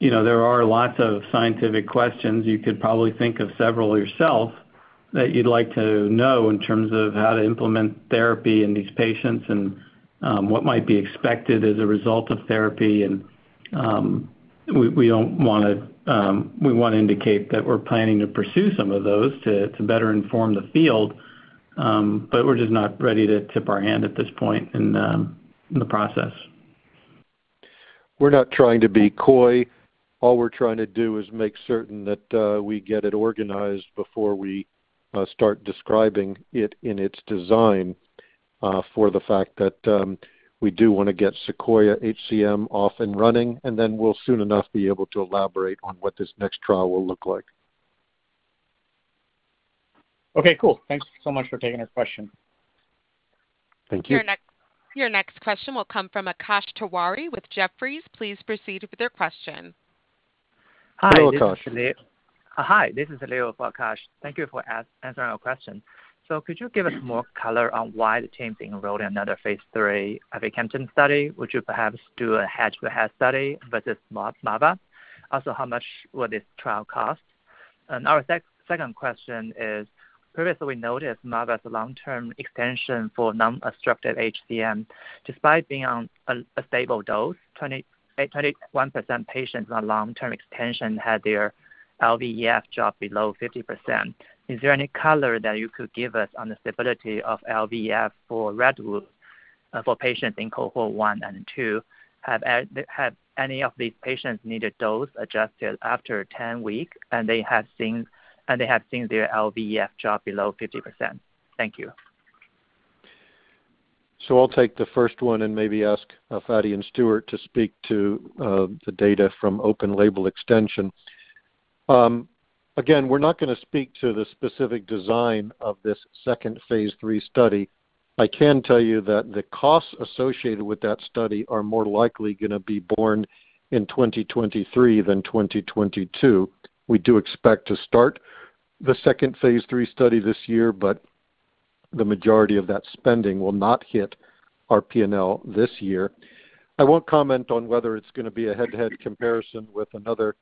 you know, there are lots of scientific questions. You could probably think of several yourself that you'd like to know in terms of how to implement therapy in these patients and what might be expected as a result of therapy. We wanna indicate that we're planning to pursue some of those to better inform the field, but we're just not ready to tip our hand at this point in the process. We're not trying to be coy. All we're trying to do is make certain that we get it organized before we start describing it in its design for the fact that we do wanna get SEQUOIA-HCM off and running, and then we'll soon enough be able to elaborate on what this next trial will look like. Okay, cool. Thanks so much for taking this question. Thank you. Your next question will come from Akash Tewari with Jefferies. Please proceed with your question. Hello, Akash. Hi, this is Leo. Hi. This is Leo for Akash. Thank you for answering our question. Could you give us more color on why the team is enrolling another phase III aficamten study? Would you perhaps do a head-to-head study versus mavacamten? Also, how much will this trial cost? Our second question is, previously we noticed mavacamten's long-term extension for non-obstructive HCM. Despite being on a stable dose, 21% patients on long-term extension had their LVEF drop below 50%. Is there any color that you could give us on the stability of LVEF for REDWOOD for patients in Cohort 1 and 2? Have any of these patients needed dose adjusted after 10 weeks, and they have seen their LVEF drop below 50%? Thank you. I'll take the first one and maybe ask Fady and Stuart to speak to the data from open-label extension. Again, we're not gonna speak to the specific design of this second phase III study. I can tell you that the costs associated with that study are more likely gonna be borne in 2023 than 2022. We do expect to start the second phase III study this year, but the majority of that spending will not hit our P&L this year. I won't comment on whether it's gonna be a head-to-head comparison with another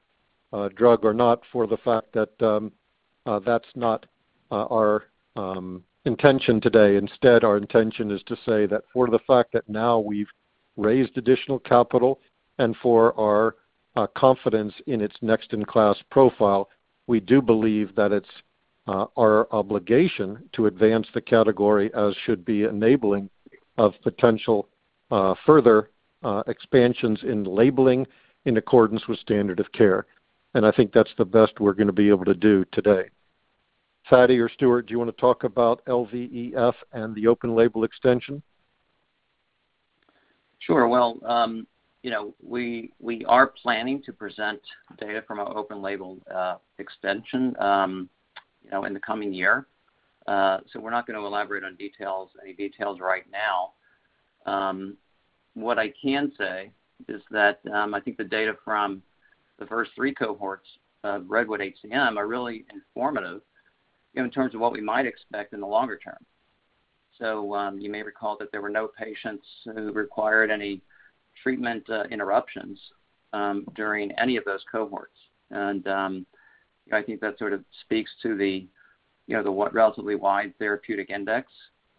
drug or not for the fact that that's not our intention today. Instead, our intention is to say that for the fact that now we've raised additional capital and for our confidence in its next-in-class profile, we do believe that it's our obligation to advance the category as should be enabling of potential further expansions in labeling in accordance with standard of care. I think that's the best we're gonna be able to do today. Fady or Stuart, do you wanna talk about LVEF and the open label extension? Sure. Well, you know, we are planning to present data from our open-label extension, you know, in the coming year. We're not gonna elaborate on details, any details right now. What I can say is that, I think the data from the first three cohorts of REDWOOD-HCM are really informative in terms of what we might expect in the longer term. You may recall that there were no patients who required any treatment interruptions during any of those cohorts. I think that sort of speaks to the, you know, the relatively wide therapeutic index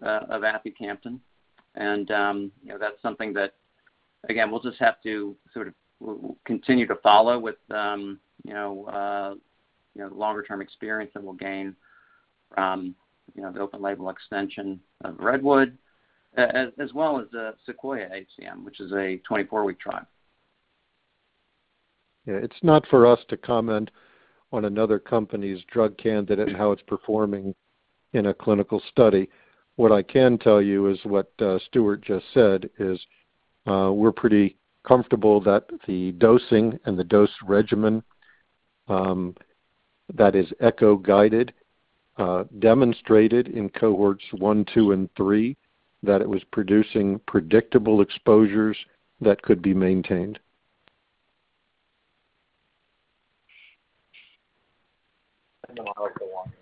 of aficamten. You know, that's something that, again, we'll just have to sort of, we'll continue to follow with, you know, longer-term experience that we'll gain from, you know, the open-label extension of REDWOOD-HCM as well as the SEQUOIA-HCM, which is a 24-week trial. Yeah. It's not for us to comment on another company's drug candidate and how it's performing in a clinical study. What I can tell you is what Stuart just said is, we're pretty comfortable that the dosing and the dose regimen, that is echo guided, demonstrated in cohorts 1, 2, and 3, that it was producing predictable exposures that could be maintained.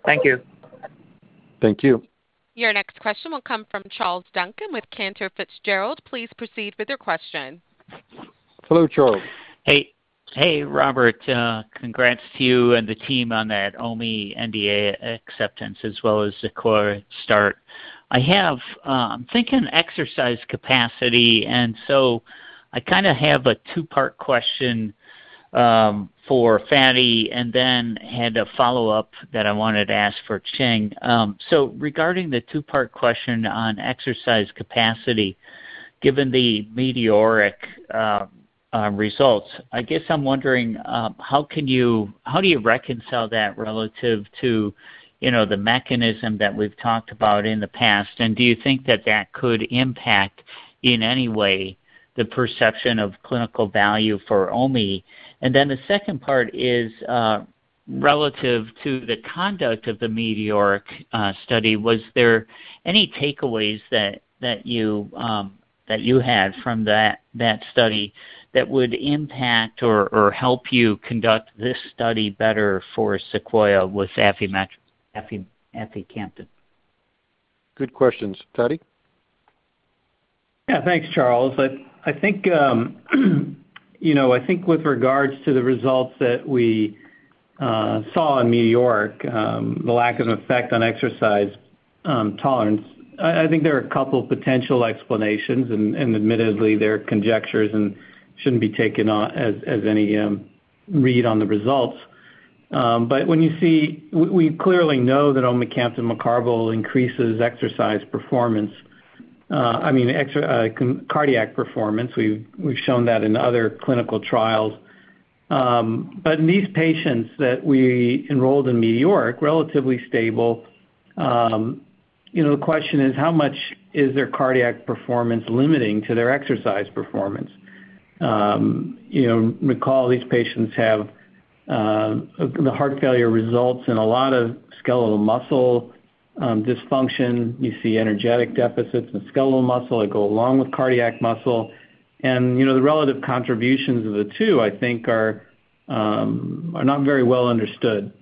Thank you. Thank you. Your next question will come from Charles Duncan with Cantor Fitzgerald. Please proceed with your question. Hello, Charles. Hey. Hey, Robert. Congrats to you and the team on that OMI NDA acceptance as well as SEQUOIA-HCM start. I have thinking exercise capacity, and I kinda have a two-part question for Fady and then have a follow-up that I wanted to ask for Ching. Regarding the two-part question on exercise capacity. Given the METEORIC results, I guess I'm wondering how do you reconcile that relative to, you know, the mechanism that we've talked about in the past? And do you think that could impact, in any way, the perception of clinical value for OMI? And then the second part is relative to the conduct of the METEORIC study. Was there any takeaways that you had from that study that would impact or help you conduct this study better for SEQUOIA with aficamten? Good questions. Fady? Yeah. Thanks, Charles. I think you know, I think with regards to the results that we saw in New York, the lack of effect on exercise tolerance, I think there are a couple potential explanations and admittedly, they're conjectures and shouldn't be taken on as any read on the results. We clearly know that omecamtiv mecarbil increases exercise performance. I mean cardiac performance. We've shown that in other clinical trials. In these patients that we enrolled in METEORIC, relatively stable, you know, the question is, how much is their cardiac performance limiting to their exercise performance? You know, recall these patients have HFrEF and a lot of skeletal muscle dysfunction. You see energetic deficits in the skeletal muscle that go along with cardiac muscle. You know, the relative contributions of the two, I think, are not very well understood.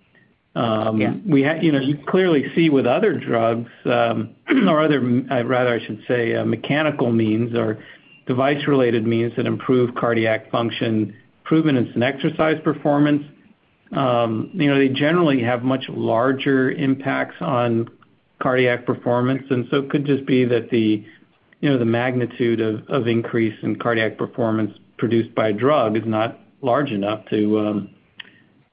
Yeah. You know, you clearly see with other drugs, or rather I should say, mechanical means or device-related means that improve cardiac function. Improvements in exercise performance. You know, they generally have much larger impacts on cardiac performance. It could just be that the, you know, the magnitude of increase in cardiac performance produced by a drug is not large enough to,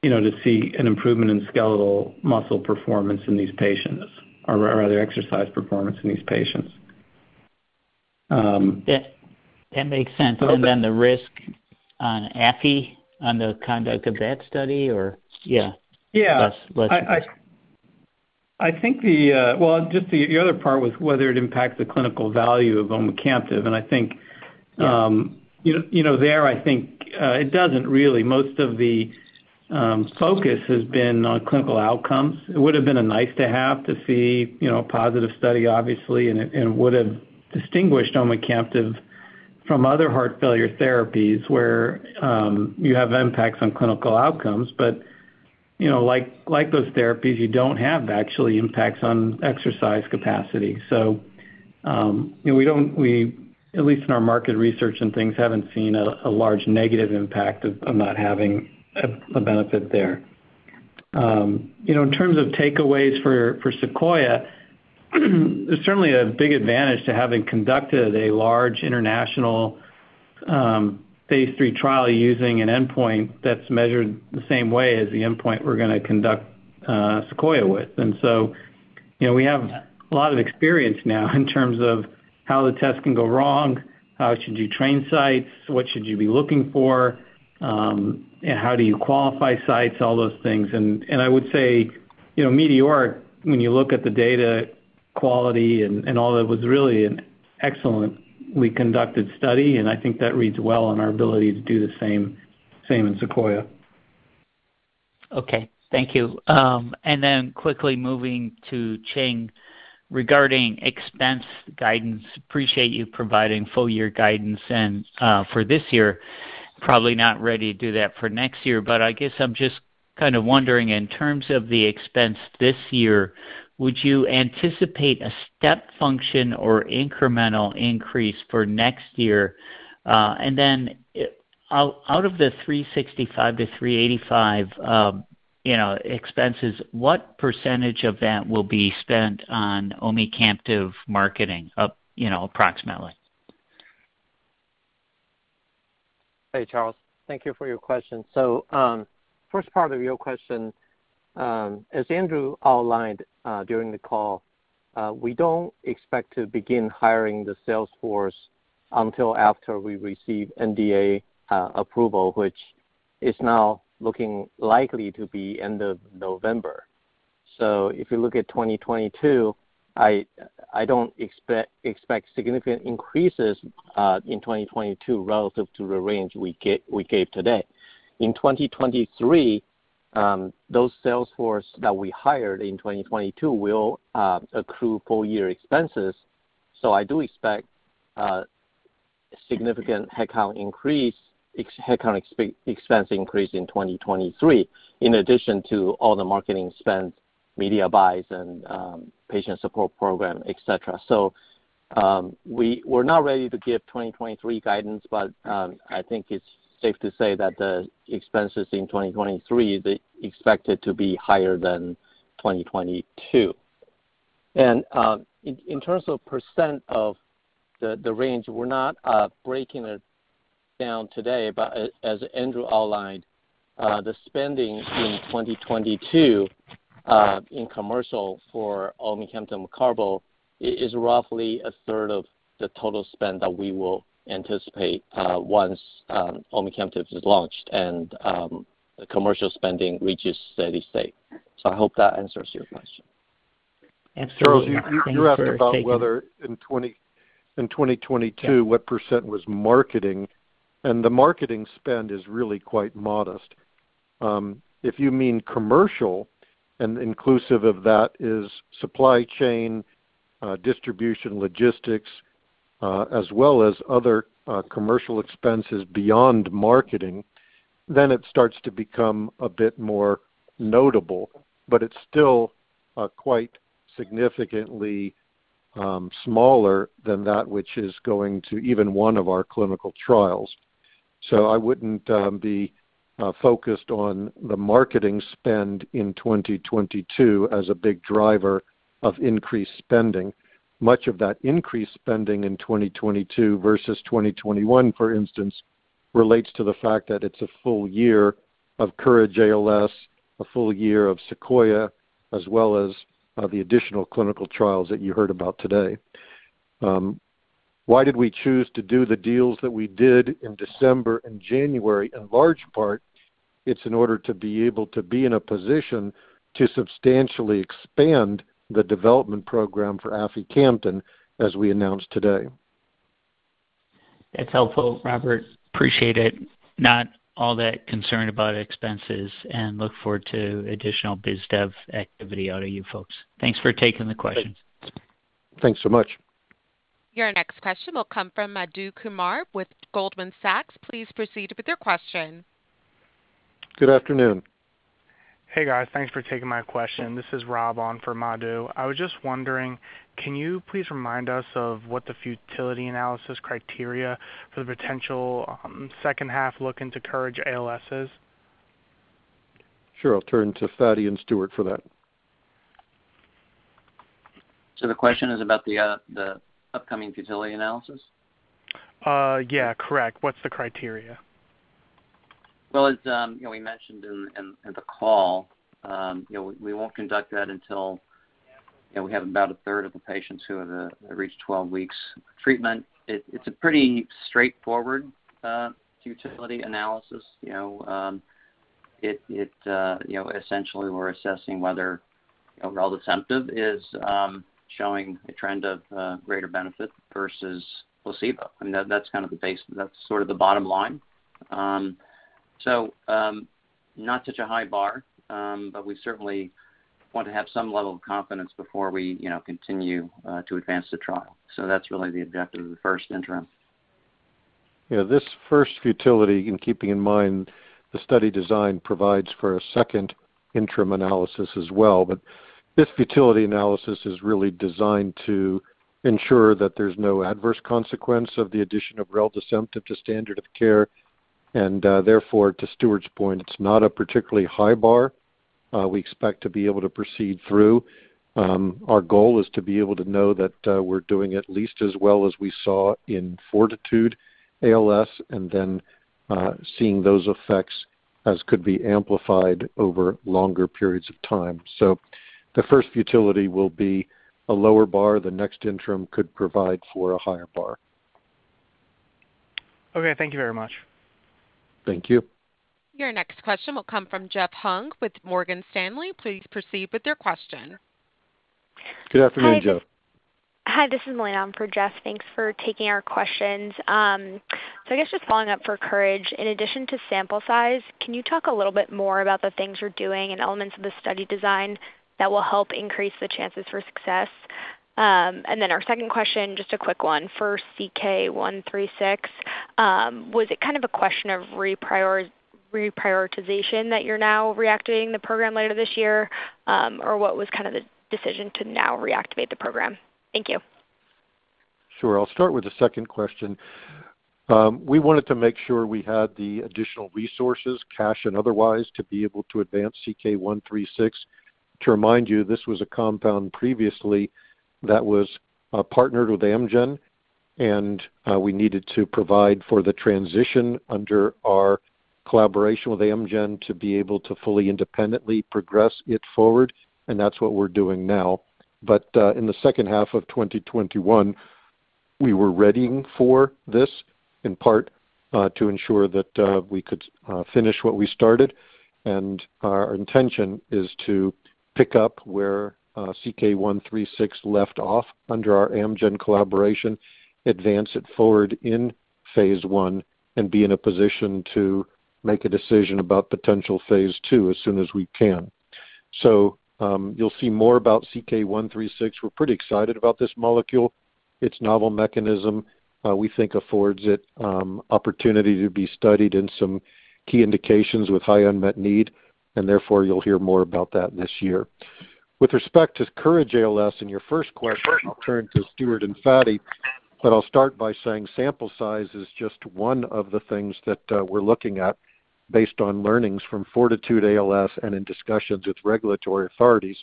you know, to see an improvement in skeletal muscle performance in these patients or rather exercise performance in these patients. Yeah. That makes sense. Okay. The risk on aficamten, on the conduct of that study or yeah. Yeah. Let's, let's- I think the other part was whether it impacts the clinical value of omecamtiv. I think- Yeah. You know, I think it doesn't really. Most of the focus has been on clinical outcomes. It would have been a nice to have to see, you know, a positive study, obviously. It would have distinguished omecamtiv from other heart failure therapies where you have impacts on clinical outcomes. You know, like those therapies, you don't actually have impacts on exercise capacity. We, at least in our market research and things, haven't seen a large negative impact of not having a benefit there. You know, in terms of takeaways for SEQUOIA, there's certainly a big advantage to having conducted a large international phase III trial using an endpoint that's measured the same way as the endpoint we're gonna conduct SEQUOIA with. You know, we have a lot of experience now in terms of how the test can go wrong, how should you train sites, what should you be looking for, and how do you qualify sites, all those things. I would say, you know, METEORIC, when you look at the data quality and all that, was really an excellently conducted study, and I think that reads well on our ability to do the same in SEQUOIA. Okay. Thank you. Quickly moving to Ching. Regarding expense guidance, I appreciate you providing full year guidance and for this year, probably not ready to do that for next year. I guess, I'm just kind of wondering, in terms of the expense this year, would you anticipate a step function or incremental increase for next year? Out of the $365 million-$385 million expenses, what percentage of that will be spent on omecamtiv marketing up approximately? Hey, Charles. Thank you for your question. First part of your question, as Andrew outlined, during the call, we don't expect to begin hiring the sales force until after we receive NDA approval, which is now looking likely to be end of November. If you look at 2022, I don't expect significant increases in 2022 relative to the range we gave today. In 2023, those sales force that we hired in 2022 will accrue full year expenses. I do expect significant headcount expense increase in 2023, in addition to all the marketing spend, media buys and patient support program, et cetera. We're not ready to give 2023 guidance, but I think it's safe to say that the expenses in 2023, we expect it to be higher than 2022. In terms of percent of the range, we're not breaking it down today. As Andrew outlined, the spending in 2022 in commercial for omecamtiv mecarbil is roughly a third of the total spend that we will anticipate once omecamtiv is launched and the commercial spending reaches steady state. I hope that answers your question. Absolutely. Charles, you asked about whether in 2022 what % was marketing, and the marketing spend is really quite modest. If you mean commercial and inclusive of that is supply chain, distribution, logistics, as well as other commercial expenses beyond marketing, then it starts to become a bit more notable. It's still quite significantly smaller than that which is going to even one of our clinical trials. I wouldn't be focused on the marketing spend in 2022 as a big driver of increased spending. Much of that increased spending in 2022 versus 2021, for instance, relates to the fact that it's a full year of COURAGE-ALS, a full year of SEQUOIA, as well as the additional clinical trials that you heard about today. Why did we choose to do the deals that we did in December and January? In large part, it's in order to be able to be in a position to substantially expand the development program for aficamten, as we announced today. That's helpful, Robert. Appreciate it. Not all that concerned about expenses and look forward to additional biz dev activity out of you folks. Thanks for taking the questions. Thanks so much. Your next question will come from Madhu Kumar with Goldman Sachs. Please proceed with your question. Good afternoon. Hey, guys. Thanks for taking my question. This is Rob on for Madhu. I was just wondering, can you please remind us of what the futility analysis criteria for the potential second half look into COURAGE-ALS is? Sure. I'll turn to Fady and Stuart for that. The question is about the upcoming futility analysis? Yeah, correct. What's the criteria? Well, as you know, we mentioned in the call, you know, we won't conduct that until, you know, we have about a third of the patients who have reached 12 weeks treatment. It's a pretty straightforward futility analysis, you know. You know, essentially we're assessing whether reldesemtiv is showing a trend of greater benefit versus placebo. I mean, that's kind of the base. That's sort of the bottom line. Not such a high bar, but we certainly want to have some level of confidence before we, you know, continue to advance the trial. That's really the objective of the first interim. Yeah. This first futility analysis, and keeping in mind the study design provides for a second interim analysis as well. This futility analysis is really designed to ensure that there's no adverse consequence of the addition of reldesemtiv to standard of care, and therefore, to Stuart's point, it's not a particularly high bar, we expect to be able to proceed through. Our goal is to be able to know that we're doing at least as well as we saw in FORTITUDE-ALS, and then seeing those effects that could be amplified over longer periods of time. The first futility will be a lower bar. The next interim analysis could provide for a higher bar. Okay. Thank you very much. Thank you. Your next question will come from Jeff Hung with Morgan Stanley. Please proceed with your question. Good afternoon, Jeff. Hi. This is Milena. I'm for Jeff. Thanks for taking our questions. I guess just following up for COURAGE-ALS. In addition to sample size, can you talk a little bit more about the things you're doing and elements of the study design that will help increase the chances for success? Our second question, just a quick one. For CK-136, was it kind of a question of reprioritization that you're now reactivating the program later this year? What was kind of the decision to now reactivate the program? Thank you. Sure. I'll start with the second question. We wanted to make sure we had the additional resources, cash and otherwise, to be able to advance CK-136. To remind you, this was a compound previously that was partnered with Amgen, and we needed to provide for the transition under our collaboration with Amgen to be able to fully independently progress it forward, and that's what we're doing now. In the second half of 2021, we were readying for this, in part, to ensure that we could finish what we started. Our intention is to pick up where CK-136 left off under our Amgen collaboration, advance it forward in phase I, and be in a position to make a decision about potential phase II as soon as we can. You'll see more about CK-136. We're pretty excited about this molecule. Its novel mechanism, we think affords it opportunity to be studied in some key indications with high unmet need, and therefore, you'll hear more about that this year. With respect to COURAGE-ALS in your first question, I'll turn to Stuart and Fady. I'll start by saying sample size is just one of the things that we're looking at based on learnings from FORTITUDE-ALS and in discussions with regulatory authorities.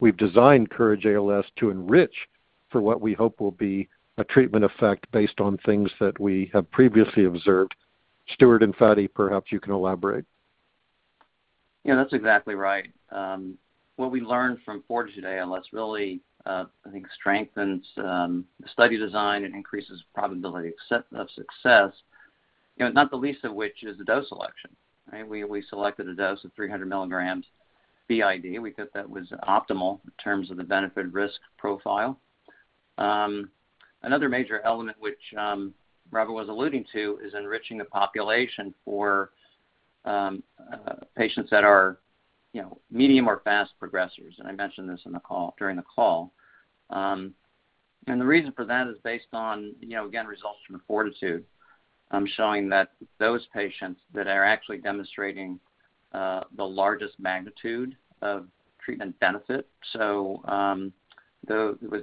We've designed COURAGE-ALS to enrich for what we hope will be a treatment effect based on things that we have previously observed. Stuart and Fady, perhaps you can elaborate. Yeah, that's exactly right. What we learned from FORTITUDE-ALS really, I think strengthens the study design and increases probability of success, you know, not the least of which is the dose selection, right? We selected a dose of 300 milligrams BID. We thought that was optimal in terms of the benefit risk profile. Another major element which, Robert was alluding to is enriching the population for patients that are, you know, medium or fast progressors, and I mentioned this in the call, during the call. The reason for that is based on, you know, again, results from the FORTITUDE, showing that those patients that are actually demonstrating the largest magnitude of treatment benefit. It was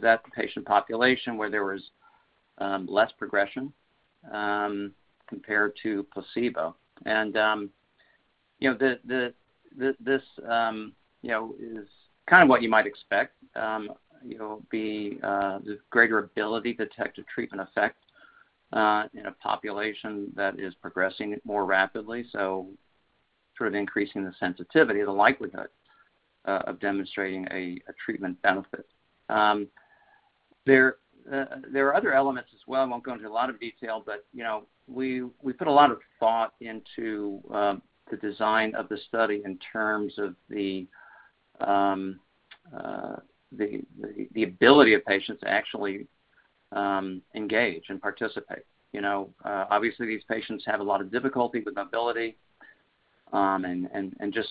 that patient population where there was less progression compared to placebo. You know, this is kind of what you might expect, you know, being the greater ability to detect a treatment effect in a population that is progressing it more rapidly. Sort of increasing the sensitivity, the likelihood of demonstrating a treatment benefit. There are other elements as well. I won't go into a lot of detail, but you know, we put a lot of thought into the design of the study in terms of the ability of patients to actually engage and participate. You know, obviously, these patients have a lot of difficulty with mobility, and just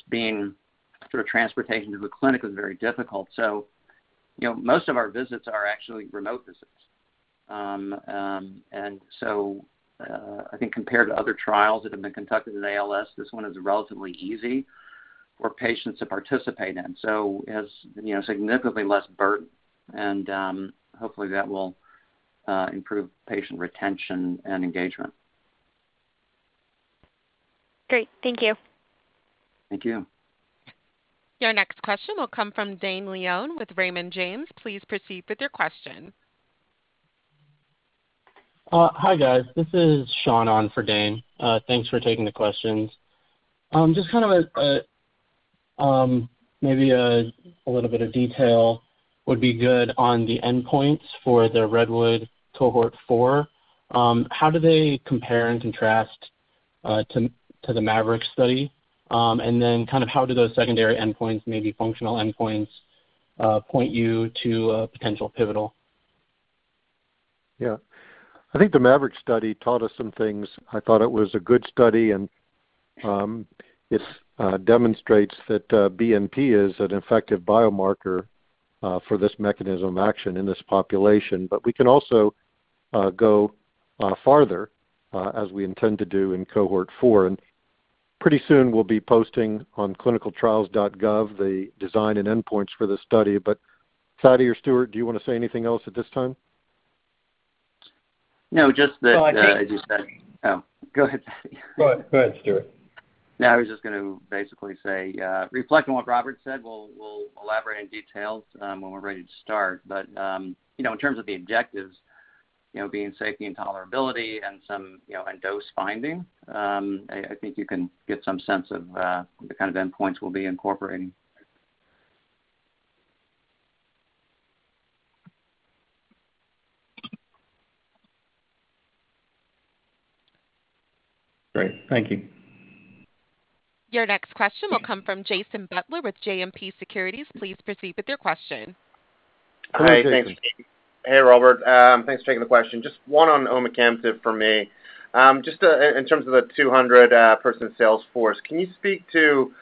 sort of transportation to the clinic was very difficult. You know, most of our visits are actually remote visits. I think compared to other trials that have been conducted in ALS, this one is relatively easy for patients to participate in. As you know, significantly less burden, and hopefully, that will improve patient retention and engagement. Great. Thank you. Thank you. Your next question will come from Dane Leone with Raymond James. Please proceed with your question. Hi, guys. This is Sean on for Dane. Thanks for taking the questions. Just kind of a little bit of detail would be good on the endpoints for the REDWOOD Cohort 4. How do they compare and contrast to the MAVERICK study? And then kind of how do those secondary endpoints, maybe functional endpoints, point you to a potential pivotal? Yeah. I think the MAVERICK study taught us some things. I thought it was a good study, and it demonstrates that BNP is an effective biomarker for this mechanism of action in this population. We can also go farther as we intend to do in Cohort 4. Pretty soon we'll be posting on clinicaltrials.gov the design and endpoints for this study. Fady or Stuart, do you wanna say anything else at this time? No, just that. No, I think. As you said. Oh, go ahead, Fady. Go ahead. Go ahead, Stuart. No, I was just gonna basically say, reflecting what Robert said, we'll elaborate in details, when we're ready to start. You know, in terms of the objectives, you know, being safety and tolerability and some, you know, and dose finding, I think you can get some sense of, the kind of endpoints we'll be incorporating. Great. Thank you. Your next question will come from Jason Butler with JMP Securities. Please proceed with your question. Hi, Jason. Hey, thanks. Hey, Robert. Thanks for taking the question. Just one on omecamtiv for me. Just, in terms of the 200-person sales force, can you speak to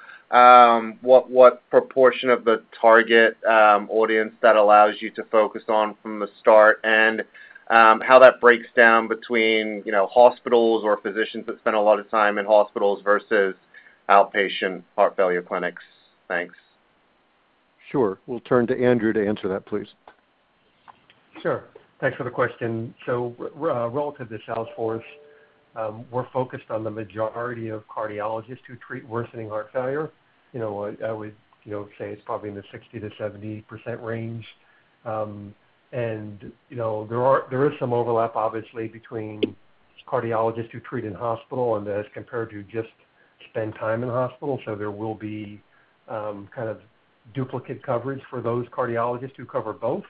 what proportion of the target audience that allows you to focus on from the start, and how that breaks down between, you know, hospitals or physicians that spend a lot of time in hospitals versus outpatient heart failure clinics? Thanks. Sure. We'll turn to Andrew to answer that, please. Sure. Thanks for the question. Relative to sales force, we're focused on the majority of cardiologists who treat worsening heart failure. You know, I would, you know, say it's probably in the 60%-70% range. You know, there is some overlap, obviously, between cardiologists who treat in hospital and as compared to just spend time in hospital. There will be kind of duplicate coverage for those cardiologists who cover both.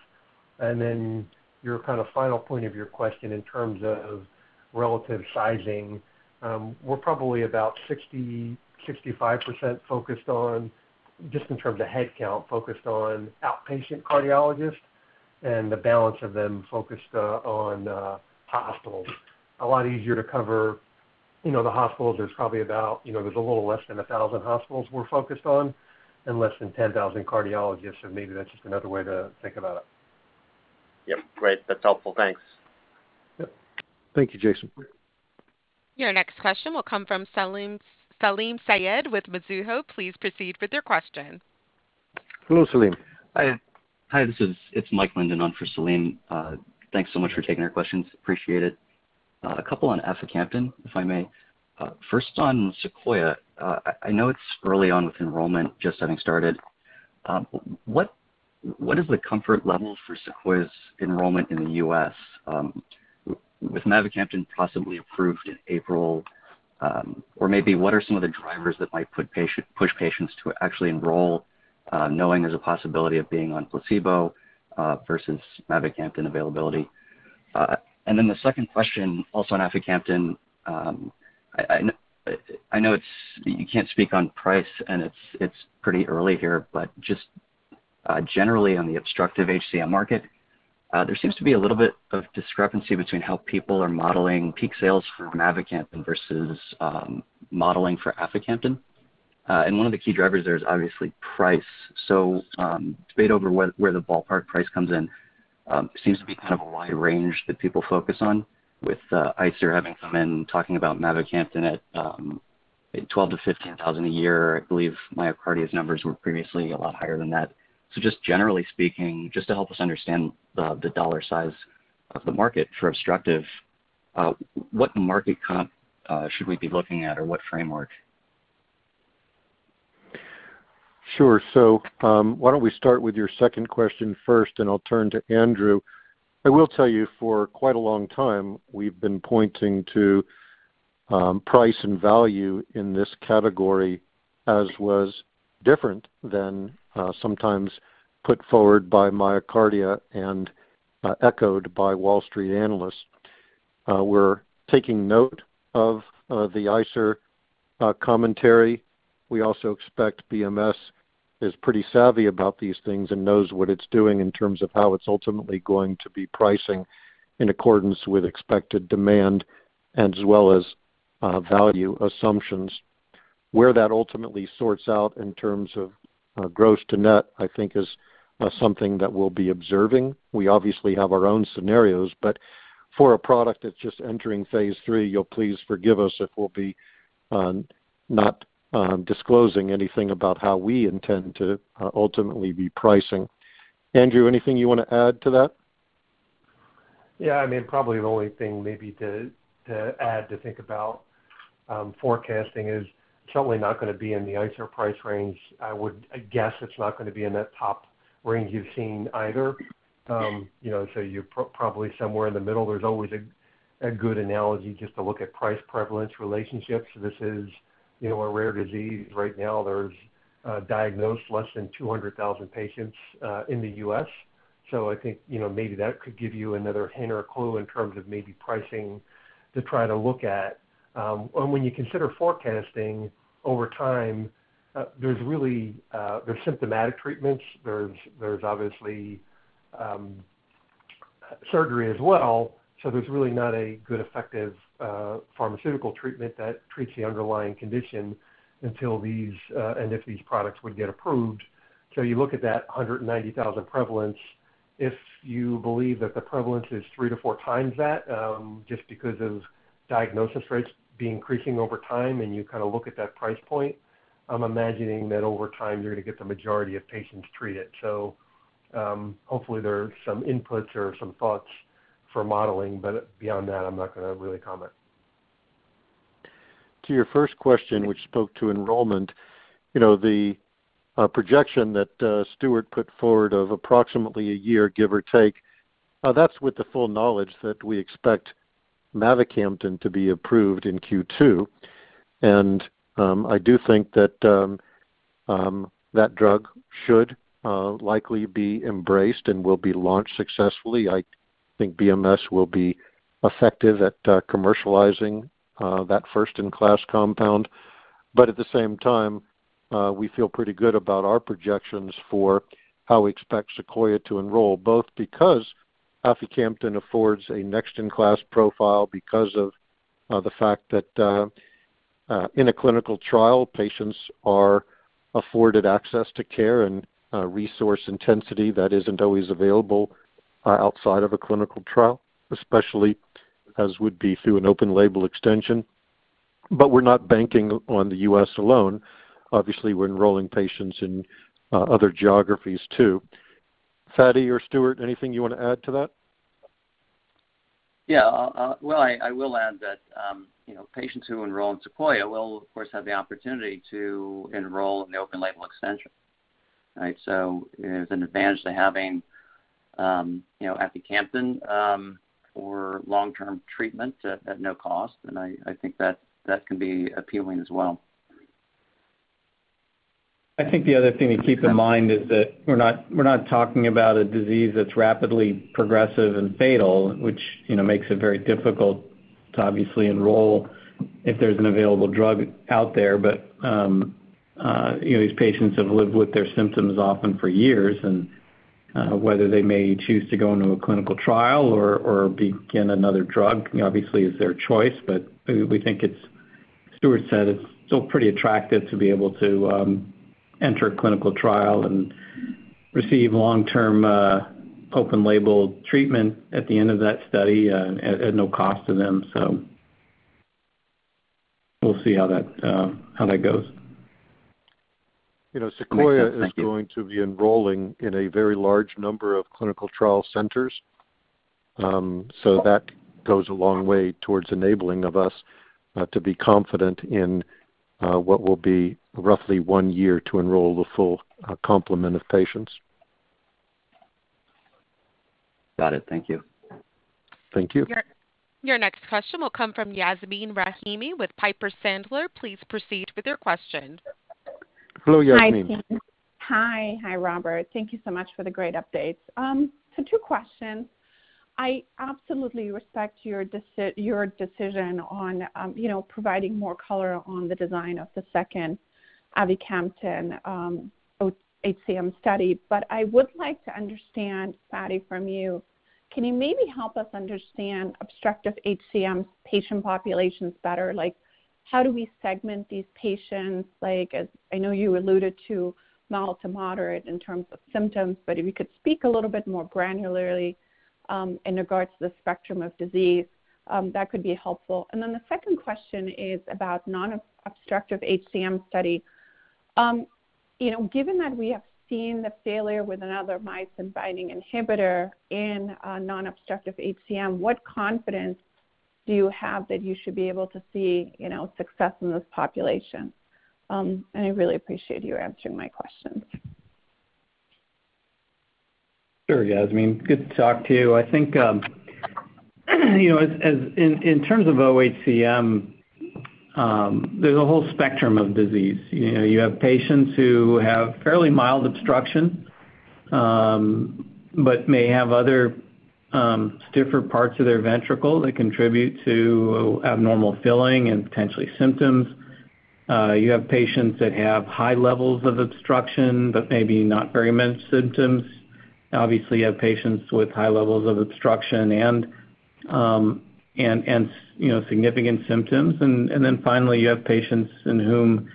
Your kind of final point of your question in terms of relative sizing, we're probably about 65% focused on, just in terms of headcount, focused on outpatient cardiologists and the balance of them focused on hospitals. A lot easier to cover, you know, the hospitals. There's probably about, you know, a little less than 1,000 hospitals we're focused on and less than 10,000 cardiologists. Maybe that's just another way to think about it. Yep. Great. That's helpful. Thanks. Yep. Thank you, Jason. Your next question will come from Salim Syed with Mizuho. Please proceed with your question. Hello, Salim. Hi. It's Mike Linden on for Salim. Thanks so much for taking our questions. Appreciate it. A couple on aficamten, if I may. First on SEQUOIA. I know it's early on with enrollment just having started. What is the comfort level for SEQUOIA's enrollment in the U.S., with mavacamten possibly approved in April? Or maybe what are some of the drivers that might push patients to actually enroll, knowing there's a possibility of being on placebo, versus mavacamten availability? And then the second question also on aficamten. I know it's... You can't speak on price, and it's pretty early here, but just generally on the obstructive HCM market, there seems to be a little bit of discrepancy between how people are modeling peak sales for mavacamten versus modeling for aficamten. One of the key drivers there is obviously price. Debate over where the ballpark price comes in seems to be kind of a wide range that people focus on with ICER having come in talking about mavacamten at $12,000-$15,000 a year. I believe MyoKardia's numbers were previously a lot higher than that. Just generally speaking, to help us understand the dollar size of the market for obstructive, what market comp should we be looking at or what framework? Sure. Why don't we start with your second question first, and I'll turn to Andrew. I will tell you, for quite a long time we've been pointing to price and value in this category, as was different than sometimes put forward by MyoKardia and echoed by Wall Street analysts. We're taking note of the ICER commentary. We also expect BMS is pretty savvy about these things and knows what it's doing in terms of how it's ultimately going to be pricing in accordance with expected demand and as well as value assumptions. Where that ultimately sorts out in terms of gross to net, I think is something that we'll be observing. We obviously have our own scenarios, but for a product that's just entering phase III, you'll please forgive us if we'll be not disclosing anything about how we intend to ultimately be pricing. Andrew, anything you wanna add to that? I mean, probably the only thing maybe to add to think about forecasting is it's certainly not gonna be in the ICER price range. I guess it's not gonna be in that top range you've seen either. You know, you're probably somewhere in the middle. There's always a good analogy just to look at price prevalence relationships. This is, you know, a rare disease. Right now there's diagnosed less than 200,000 patients in the U.S., so I think, you know, maybe that could give you another hint or a clue in terms of maybe pricing to try to look at. When you consider forecasting over time, there's really symptomatic treatments. There's obviously surgery as well, so there's really not a good, effective pharmaceutical treatment that treats the underlying condition until these, and if these products would get approved. You look at that 190,000 prevalence. If you believe that the prevalence is 3-4x that, just because of diagnosis rates be increasing over time, and you kinda look at that price point, I'm imagining that over time you're gonna get the majority of patients treated. Hopefully there are some inputs or some thoughts for modeling, but beyond that, I'm not gonna really comment. To your first question, which spoke to enrollment, you know, the projection that Stuart put forward of approximately a year, give or take, that's with the full knowledge that we expect mavacamten to be approved in Q2. I do think that that drug should likely be embraced and will be launched successfully. I think BMS will be effective at commercializing that first-in-class compound. At the same time, we feel pretty good about our projections for how we expect SEQUOIA to enroll, both because aficamten affords a next-in-class profile, because of the fact that in a clinical trial, patients are afforded access to care and resource intensity that isn't always available outside of a clinical trial, especially as would be through an open-label extension. We're not banking on the U.S. alone. Obviously, we're enrolling patients in other geographies too. Fady or Stuart, anything you wanna add to that? Yeah. Well, I will add that, you know, patients who enroll in SEQUOIA will, of course, have the opportunity to enroll in the open-label extension. Right? There's an advantage to having, you know, aficamten, for long-term treatment at no cost. I think that can be appealing as well. I think the other thing to keep in mind is that we're not talking about a disease that's rapidly progressive and fatal, which, you know, makes it very difficult to obviously enroll if there's an available drug out there. These patients have lived with their symptoms often for years and whether they may choose to go into a clinical trial or begin another drug obviously is their choice. We think it's still pretty attractive to be able to enter a clinical trial and receive long-term open label treatment at the end of that study at no cost to them. We'll see how that goes. You know. Makes sense. Thank you. SEQUOIA is going to be enrolling in a very large number of clinical trial centers. So that goes a long way towards enabling us to be confident in what will be roughly one year to enroll the full complement of patients. Got it. Thank you. Thank you. Your next question will come from Yasmeen Rahimi with Piper Sandler. Please proceed with your question. Hello, Yasmeen. Hi, team. Hi. Hi, Robert. Thank you so much for the great updates. Two questions. I absolutely respect your decision on providing more color on the design of the second aficamten OHCM study. I would like to understand, Fady, from you, can you maybe help us understand obstructive HCM patient populations better? Like, how do we segment these patients? Like, as I know you alluded to mild to moderate in terms of symptoms, but if you could speak a little bit more granularly in regards to the spectrum of disease, that could be helpful. The second question is about non-obstructive HCM study. You know, given that we have seen the failure with another myosin binding inhibitor in non-obstructive HCM, what confidence do you have that you should be able to see, you know, success in this population? I really appreciate you answering my questions. Sure, Yasmeen. Good to talk to you. I think you know, in terms of OHCM, there's a whole spectrum of disease. You know, you have patients who have fairly mild obstruction, but may have other stiffer parts of their ventricle that contribute to abnormal filling and potentially symptoms. You have patients that have high levels of obstruction, but maybe not very many symptoms. Obviously, you have patients with high levels of obstruction and you know, significant symptoms. Then finally you have patients in whom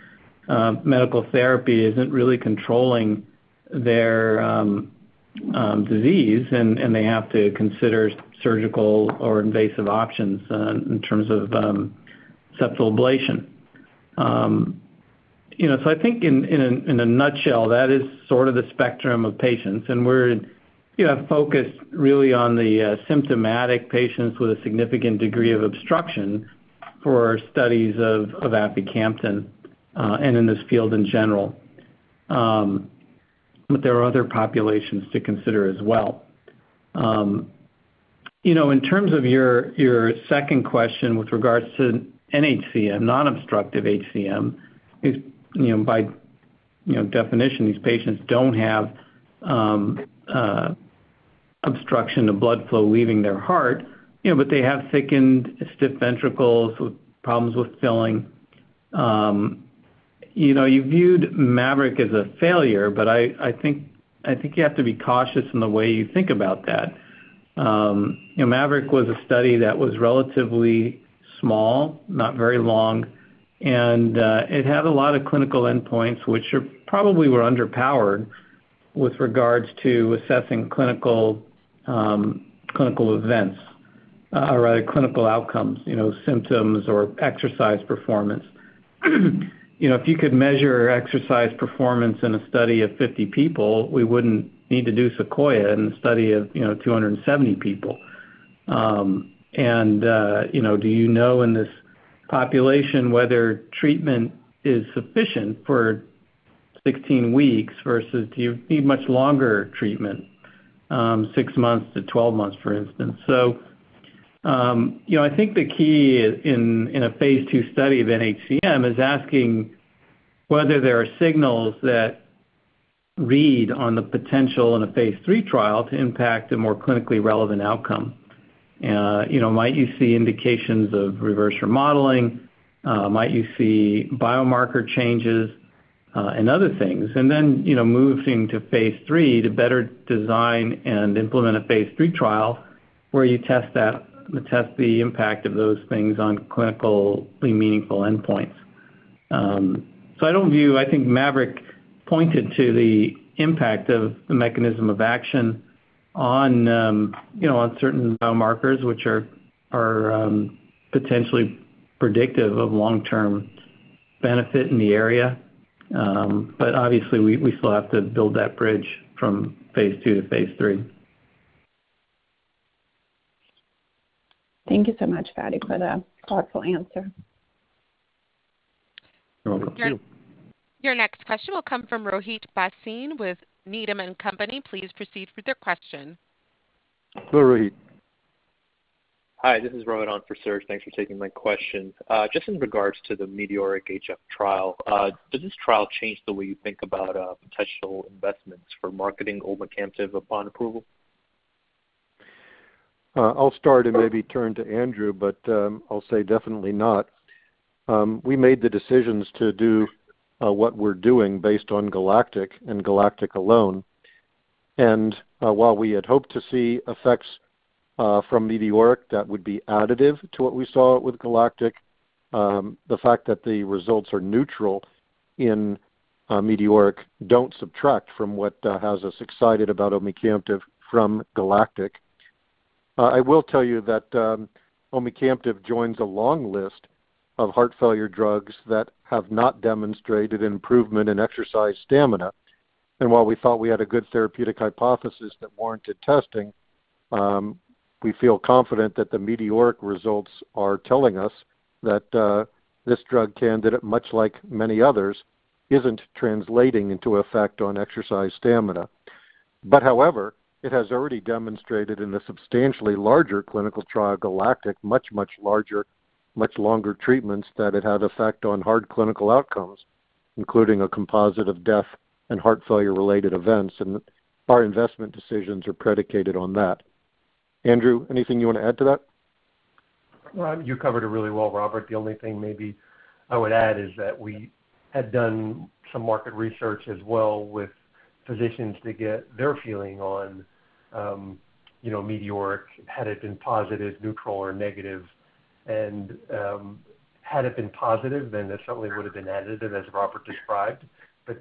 medical therapy isn't really controlling their disease, and they have to consider surgical or invasive options in terms of septal ablation. You know, so I think in a nutshell, that is sort of the spectrum of patients. We're, you know, focused really on the symptomatic patients with a significant degree of obstruction for our studies of aficamten and in this field in general. But there are other populations to consider as well. You know, in terms of your second question with regards to NHCM, non-obstructive HCM is, you know, by definition, these patients don't have obstruction of blood flow leaving their heart, you know, but they have thickened, stiff ventricles with problems with filling. You know, you viewed MAVERICK as a failure, but I think you have to be cautious in the way you think about that. You know, MAVERICK was a study that was relatively small, not very long, and it had a lot of clinical endpoints, which were probably underpowered with regards to assessing clinical events or clinical outcomes, you know, symptoms or exercise performance. You know, if you could measure exercise performance in a study of 50 people, we wouldn't need to do SEQUOIA in a study of 270 people. You know, do you know in this population whether treatment is sufficient for 16 weeks versus do you need much longer treatment, six months to 12 months, for instance? You know, I think the key in a phase II study of NHCM is asking whether there are signals that read on the potential in a phase III trial to impact a more clinically relevant outcome. You know, might you see indications of reverse remodeling? Might you see biomarker changes, and other things? You know, moving to phase III to better design and implement a phase III trial where you test that, test the impact of those things on clinically meaningful endpoints. I don't view. I think MAVERICK pointed to the impact of the mechanism of action on, you know, on certain biomarkers, which are potentially predictive of long-term benefit in the area. Obviously we still have to build that bridge from phase II to phase III. Thank you so much, Fady, for the thoughtful answer. You're welcome. Your next question will come from Rohit Bhasin with Needham & Company. Please proceed with your question. Hello, Rohit. Hi, this is Rohit Bhasin on for Serge. Thanks for taking my question. Just in regards to the METEORIC-HF trial. Does this trial change the way you think about potential investments for marketing omecamtiv upon approval? I'll start and maybe turn to Andrew, but I'll say definitely not. We made the decisions to do what we're doing based on GALACTIC and GALACTIC alone. While we had hoped to see effects from METEORIC that would be additive to what we saw with GALACTIC, the fact that the results are neutral in METEORIC don't subtract from what has us excited about omecamtiv from GALACTIC. I will tell you that omecamtiv joins a long list of heart failure drugs that have not demonstrated improvement in exercise stamina. While we thought we had a good therapeutic hypothesis that warranted testing, we feel confident that the METEORIC results are telling us that this drug candidate, much like many others, isn't translating into effect on exercise stamina. However, it has already demonstrated in a substantially larger clinical trial, GALACTIC, much, much larger, much longer treatments that it had effect on hard clinical outcomes, including a composite of death and heart failure-related events, and our investment decisions are predicated on that. Andrew, anything you wanna add to that? Well, you covered it really well, Robert. The only thing maybe I would add is that we had done some market research as well with physicians to get their feeling on, you know, METEORIC, had it been positive, neutral, or negative. Had it been positive, then this certainly would have been added, as Robert described.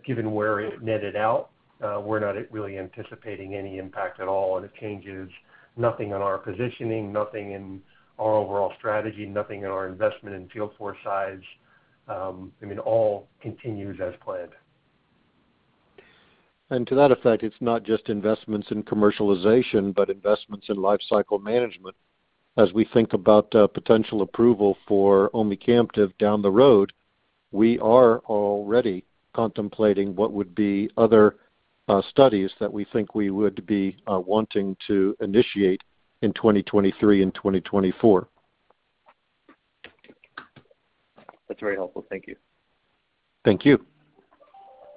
Given where it netted out, we're not really anticipating any impact at all, and it changes nothing in our positioning, nothing in our overall strategy, nothing in our investment and field force size. I mean, all continues as planned. To that effect, it's not just investments in commercialization, but investments in lifecycle management. As we think about potential approval for omecamtiv down the road, we are already contemplating what would be other studies that we think we would be wanting to initiate in 2023 and 2024. That's very helpful. Thank you. Thank you.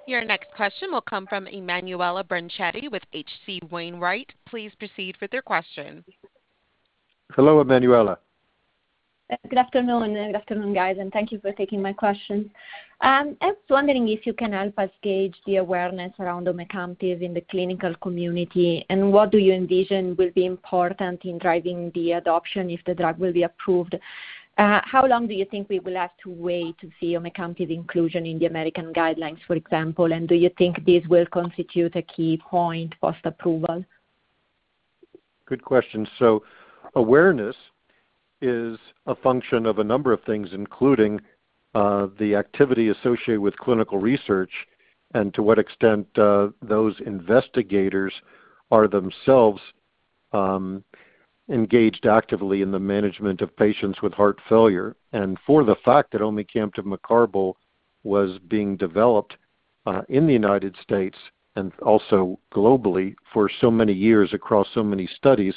Your next question will come from Emanuela Branchetti with H.C. Wainwright. Please proceed with your question. Hello, Emanuela. Good afternoon. Good afternoon, guys, and thank you for taking my question. I was wondering if you can help us gauge the awareness around omecamtiv in the clinical community. What do you envision will be important in driving the adoption if the drug will be approved? How long do you think we will have to wait to see omecamtiv inclusion in the American guidelines, for example? Do you think this will constitute a key point post-approval? Good question. Awareness is a function of a number of things, including, the activity associated with clinical research and to what extent, those investigators are themselves, engaged actively in the management of patients with heart failure. For the fact that omecamtiv mecarbil was being developed, in the United States and also globally for so many years across so many studies,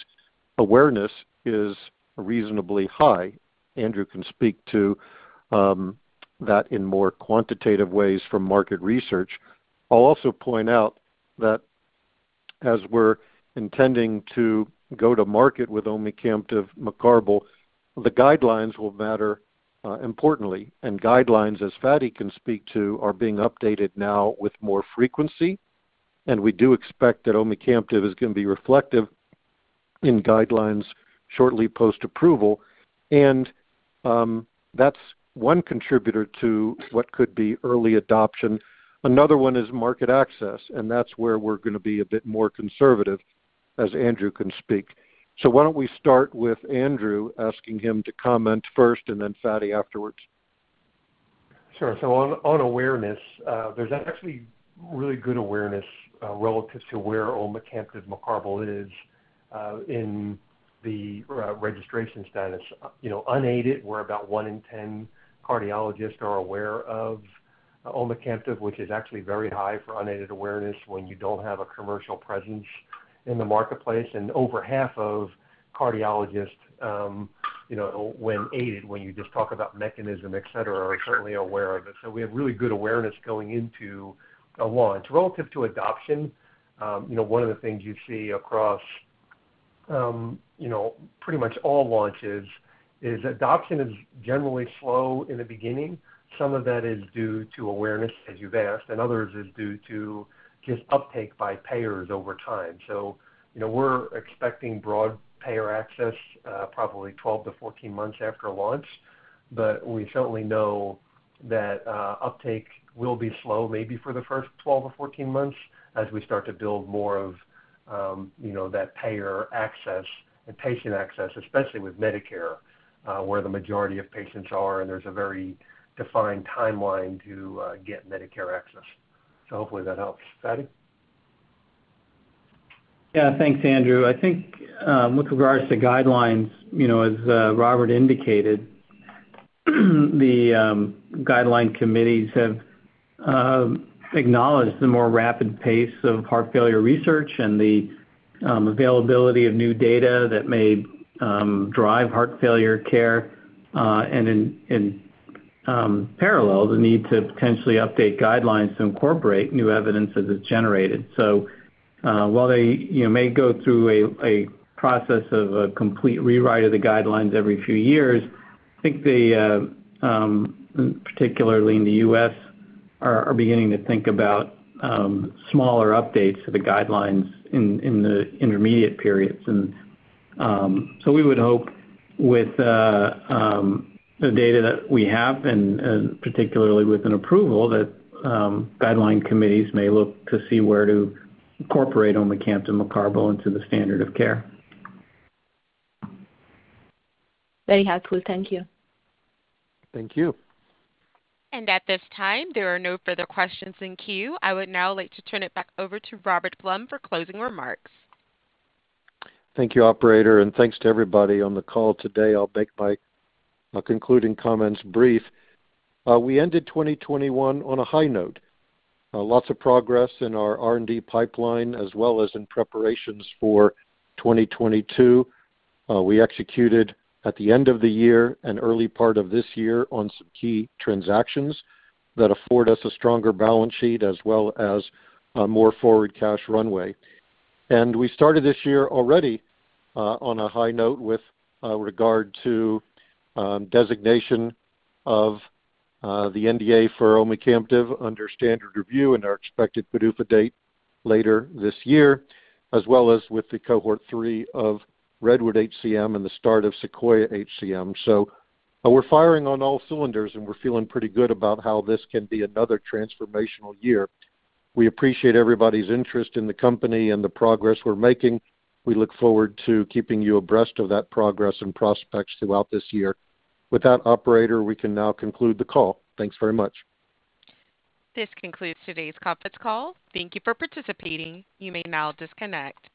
awareness is reasonably high. Andrew can speak to, that in more quantitative ways from market research. I'll also point out that as we're intending to go to market with omecamtiv mecarbil, the guidelines will matter, importantly. Guidelines, as Fady can speak to, are being updated now with more frequency. We do expect that omecamtiv is gonna be reflective in guidelines shortly post-approval. That's one contributor to what could be early adoption. Another one is market access, and that's where we're gonna be a bit more conservative, as Andrew can speak. Why don't we start with Andrew, asking him to comment first and then Fady afterwards. Sure. On awareness, there's actually really good awareness relative to where omecamtiv mecarbil is in the registration status. You know, unaided, we're about one in ten cardiologists are aware of omecamtiv, which is actually very high for unaided awareness when you don't have a commercial presence in the marketplace. Over half of cardiologists, you know, when aided, when you just talk about mechanism, et cetera, are certainly aware of it. We have really good awareness going into a launch. Relative to adoption, you know, one of the things you see across, you know, pretty much all launches is adoption is generally slow in the beginning. Some of that is due to awareness, as you've asked, and others is due to just uptake by payers over time. You know, we're expecting broad payer access, probably 12-14 months after launch. We certainly know that, uptake will be slow maybe for the first 12 or 14 months as we start to build more of, you know, that payer access and patient access, especially with Medicare, where the majority of patients are, and there's a very defined timeline to, get Medicare access. Hopefully that helps. Fady? Yeah. Thanks, Andrew. I think with regards to guidelines you know as Robert indicated the guideline committees have acknowledged the more rapid pace of heart failure research and the availability of new data that may drive heart failure care and in parallel the need to potentially update guidelines to incorporate new evidence as it's generated. While they you know may go through a process of a complete rewrite of the guidelines every few years I think they particularly in the U.S. are beginning to think about smaller updates to the guidelines in the intermediate periods. We would hope with the data that we have and particularly with an approval that guideline committees may look to see where to incorporate omecamtiv mecarbil into the standard of care. Very helpful. Thank you. Thank you. At this time, there are no further questions in queue. I would now like to turn it back over to Robert Blum for closing remarks. Thank you, operator, and thanks to everybody on the call today. I'll make my concluding comments brief. We ended 2021 on a high note. Lots of progress in our R&D pipeline as well as in preparations for 2022. We executed at the end of the year and early part of this year on some key transactions that afford us a stronger balance sheet as well as more forward cash runway. We started this year already on a high note with regard to designation of the NDA for omecamtiv under standard review and our expected PDUFA date later this year, as well as with the Cohort 3 of REDWOOD-HCM and the start of SEQUOIA-HCM. We're firing on all cylinders, and we're feeling pretty good about how this can be another transformational year. We appreciate everybody's interest in the company and the progress we're making. We look forward to keeping you abreast of that progress and prospects throughout this year. With that, operator, we can now conclude the call. Thanks very much. This concludes today's conference call. Thank you for participating. You may now disconnect.